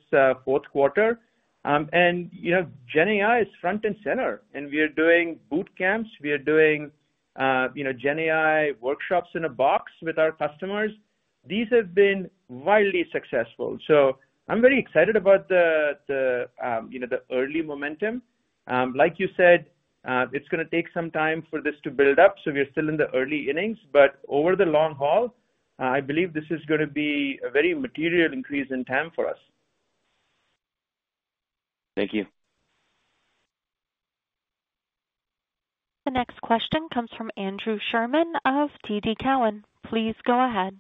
fourth quarter. And, you know, GenAI is front and center, and we are doing boot camps. We are doing, you know, GenAI workshops in a box with our customers. These have been wildly successful. So I'm very excited about the early momentum. Like you said, it's gonna take some time for this to build up, so we're still in the early innings, but over the long haul, I believe this is gonna be a very material increase in TAM for us. Thank you. The next question comes from Andrew Sherman of TD Cowen. Please go ahead.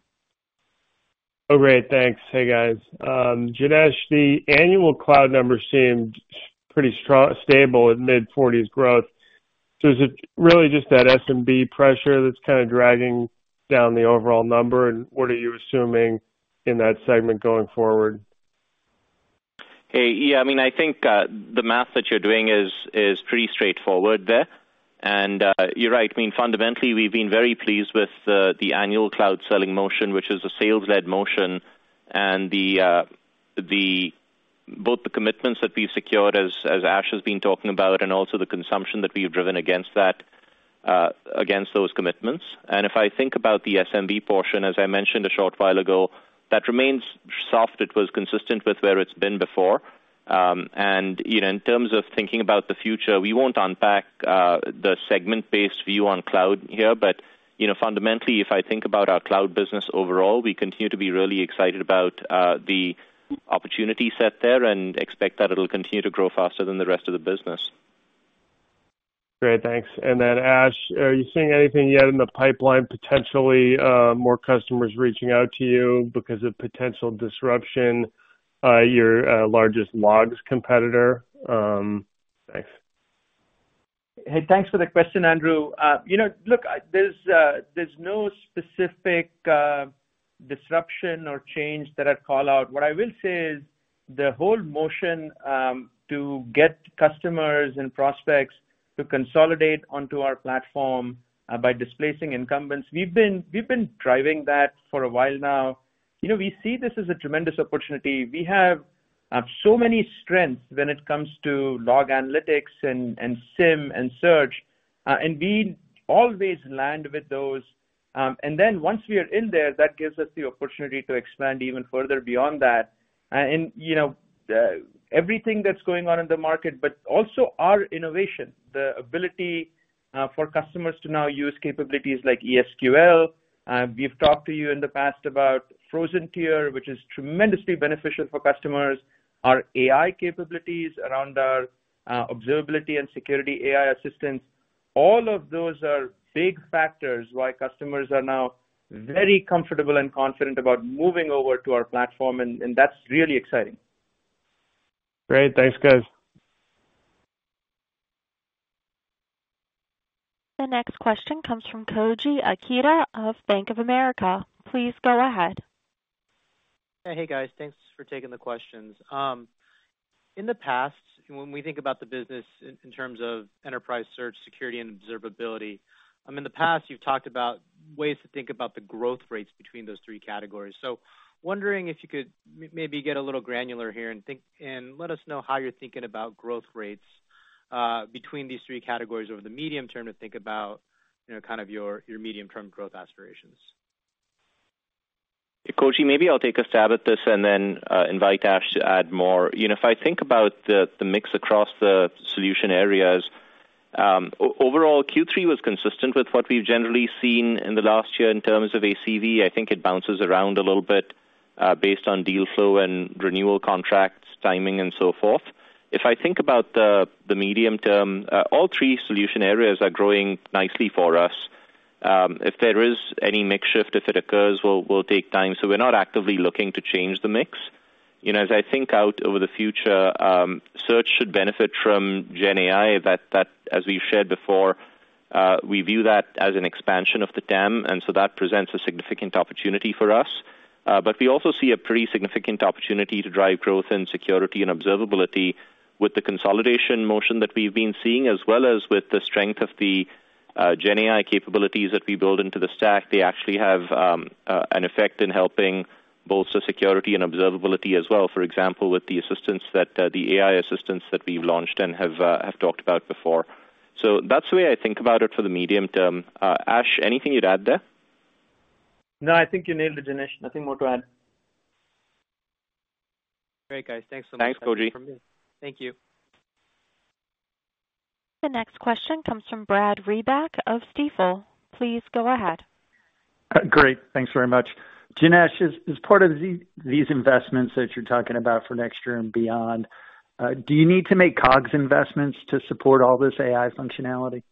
Oh, great. Thanks. Hey, guys. Janesh, the annual cloud numbers seemed pretty strong, stable at mid-40s growth. So is it really just that SMB pressure that's kind of dragging down the overall number, and what are you assuming in that segment going forward? Hey, yeah, I mean, I think the math that you're doing is pretty straightforward there. And you're right. I mean, fundamentally, we've been very pleased with the annual cloud selling motion, which is a sales-led motion, and both the commitments that we've secured, as Ash has been talking about, and also the consumption that we have driven against that, against those commitments. And if I think about the SMB portion, as I mentioned a short while ago, that remains soft. It was consistent with where it's been before. And you know, in terms of thinking about the future, we won't unpack the segment-based view on cloud here. You know, fundamentally, if I think about our cloud business overall, we continue to be really excited about the opportunity set there and expect that it'll continue to grow faster than the rest of the business. Great, thanks. And then, Ash, are you seeing anything yet in the pipeline, potentially, more customers reaching out to you because of potential disruption by your, largest logs competitor? Thanks. Hey, thanks for the question, Andrew. You know, look, there's no specific disruption or change that I'd call out. What I will say is the whole motion to get customers and prospects to consolidate onto our platform by displacing incumbents. We've been driving that for a while now. You know, we see this as a tremendous opportunity. We have so many strengths when it comes to log analytics and SIEM and search, and we always land with those. And then once we are in there, that gives us the opportunity to expand even further beyond that. And, you know, everything that's going on in the market, but also our innovation, the ability for customers to now use capabilities like ES|QL. We've talked to you in the past about Frozen Tier, which is tremendously beneficial for customers, our AI capabilities around our observability and security AI assistance. All of those are big factors why customers are now very comfortable and confident about moving over to our platform, and that's really exciting. Great. Thanks, guys. The next question comes from Koji Ikeda of Bank of America. Please go ahead. Hey, guys. Thanks for taking the questions. In the past, when we think about the business in terms of enterprise search, security, and observability, in the past, you've talked about ways to think about the growth rates between those three categories. So wondering if you could maybe get a little granular here and think, and let us know how you're thinking about growth rates between these three categories over the medium term to think about, you know, kind of your, your medium-term growth aspirations. Koji, maybe I'll take a stab at this and then invite Ash to add more. You know, if I think about the mix across the solution areas, overall, Q3 was consistent with what we've generally seen in the last year in terms of ACV. I think it bounces around a little bit, based on deal flow and renewal contracts, timing, and so forth. If I think about the medium term, all three solution areas are growing nicely for us. If there is any mix shift, if it occurs, we'll take time. So we're not actively looking to change the mix. You know, as I think out over the future, search should benefit from GenAI. That, as we've shared before, we view that as an expansion of the TAM, and so that presents a significant opportunity for us. But we also see a pretty significant opportunity to drive growth in security and observability with the consolidation motion that we've been seeing, as well as with the strength of the, GenAI capabilities that we build into the stack. They actually have an effect in helping both the security and observability as well. For example, with the assistants that, the AI assistants that we've launched and have talked about before. So that's the way I think about it for the medium term. Ash, anything you'd add there? No, I think you nailed it, Janesh. Nothing more to add. Great, guys. Thanks so much. Thanks, Koji. Thank you. The next question comes from Brad Reback of Stifel. Please go ahead. Great. Thanks very much. Janesh, as part of these investments that you're talking about for next year and beyond, do you need to make COGS investments to support all this AI functionality?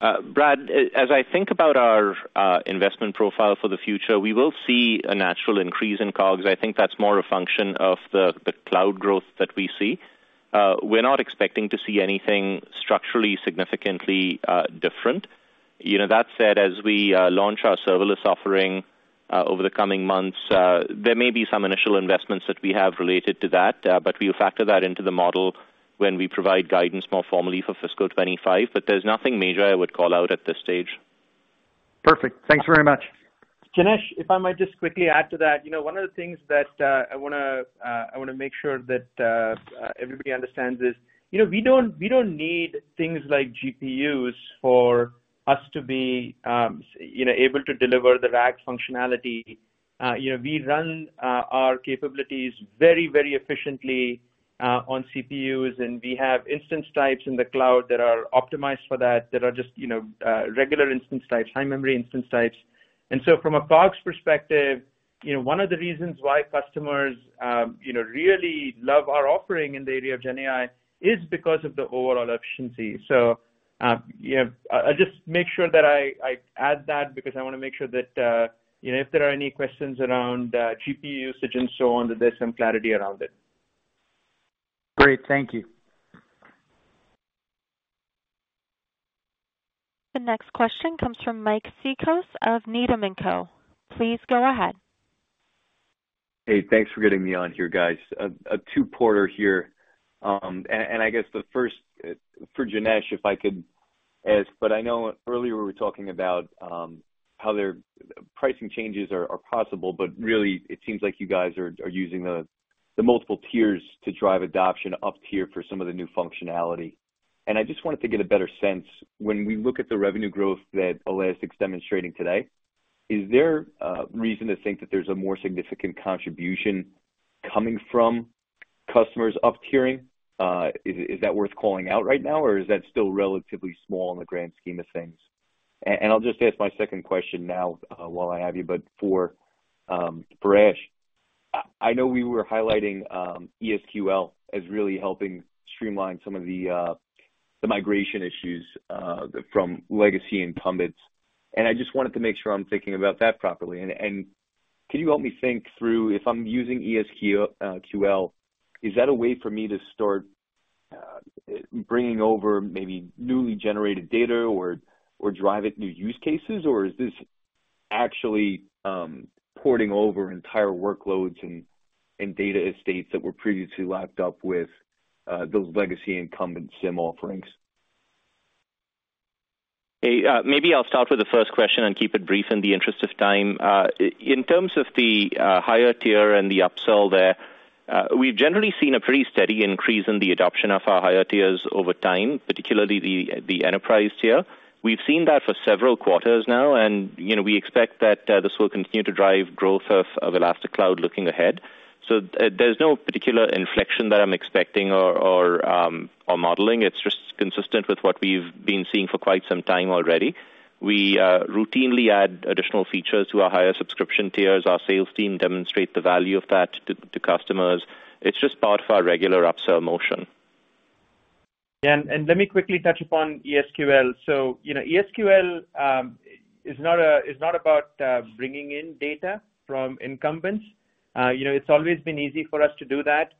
Brad, as I think about our, investment profile for the future, we will see a natural increase in COGS. I think that's more a function of the, the cloud growth that we see. We're not expecting to see anything structurally significantly, different. You know, that said, as we, launch our serverless offering, over the coming months, there may be some initial investments that we have related to that, but we'll factor that into the model when we provide guidance more formally for fiscal 25. But there's nothing major I would call out at this stage. Perfect. Thanks very much. Janesh, if I might just quickly add to that, you know, one of the things that, I wanna, I wanna make sure that, everybody understands is, you know, we don't, we don't need things like GPUs for us to be, you know, able to deliver the RAG functionality. You know, we run, our capabilities very, very efficiently, on CPUs, and we have instance types in the cloud that are optimized for that, that are just, you know, regular instance types, high memory instance types. And so from a cost perspective, you know, one of the reasons why customers, you know, really love our offering in the area of GenAI is because of the overall efficiency. So, yeah, I'll just make sure that I add that because I wanna make sure that, you know, if there are any questions around GPU usage and so on, that there's some clarity around it. Great, thank you. The next question comes from Mike Cikos of Needham & Company. Please go ahead. Hey, thanks for getting me on here, guys. A two-parter here. And I guess the first, for Janesh, if I could ask, but I know earlier we were talking about how their pricing changes are possible, but really, it seems like you guys are using the multiple tiers to drive adoption up tier for some of the new functionality. And I just wanted to get a better sense, when we look at the revenue growth that Elastic's demonstrating today, is there a reason to think that there's a more significant contribution coming from customers up tiering? Is that worth calling out right now, or is that still relatively small in the grand scheme of things? I'll just ask my second question now, while I have you, but for Ash, I know we were highlighting ES|QL as really helping streamline some of the migration issues from legacy incumbents, and I just wanted to make sure I'm thinking about that properly. Can you help me think through, if I'm using ES|QL, is that a way for me to start bringing over maybe newly generated data or drive new use cases? Or is this actually porting over entire workloads and data estates that were previously locked up with those legacy incumbent SIEM offerings? Hey, maybe I'll start with the first question and keep it brief in the interest of time. In terms of the higher tier and the upsell there, we've generally seen a pretty steady increase in the adoption of our higher tiers over time, particularly the Enterprise tier. We've seen that for several quarters now, and, you know, we expect that this will continue to drive growth of Elastic Cloud looking ahead. So there's no particular inflection that I'm expecting or modeling. It's just consistent with what we've been seeing for quite some time already. We routinely add additional features to our higher subscription tiers. Our sales team demonstrate the value of that to customers. It's just part of our regular upsell motion. Yeah, and let me quickly touch upon ES|QL. So, you know, ES|QL is not about bringing in data from incumbents. You know, it's always been easy for us to do that.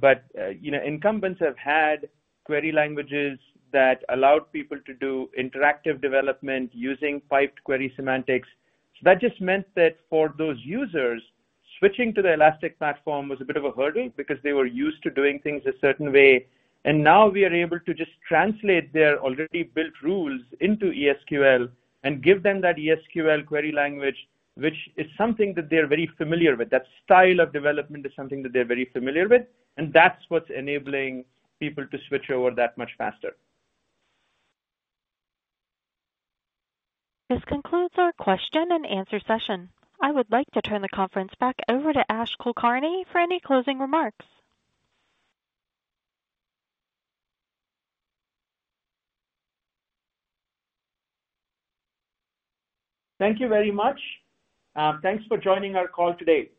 But you know, incumbents have had query languages that allowed people to do interactive development using piped query semantics. So that just meant that for those users, switching to the Elastic platform was a bit of a hurdle because they were used to doing things a certain way, and now we are able to just translate their already built rules into ES|QL and give them that ES|QL query language, which is something that they're very familiar with. That style of development is something that they're very familiar with, and that's what's enabling people to switch over that much faster. This concludes our question and answer session. I would like to turn the conference back over to Ash Kulkarni for any closing remarks. Thank you very much. Thanks for joining our call today.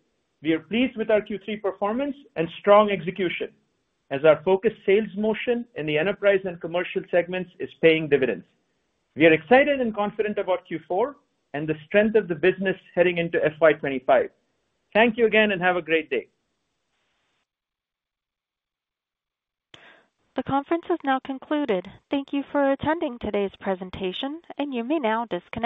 We are pleased with our Q3 performance and strong execution, as our focused sales motion in the enterprise and commercial segments is paying dividends. We are excited and confident about Q4 and the strength of the business heading into FY25. Thank you again, and have a great day. The conference has now concluded. Thank you for attending today's presentation, and you may now disconnect.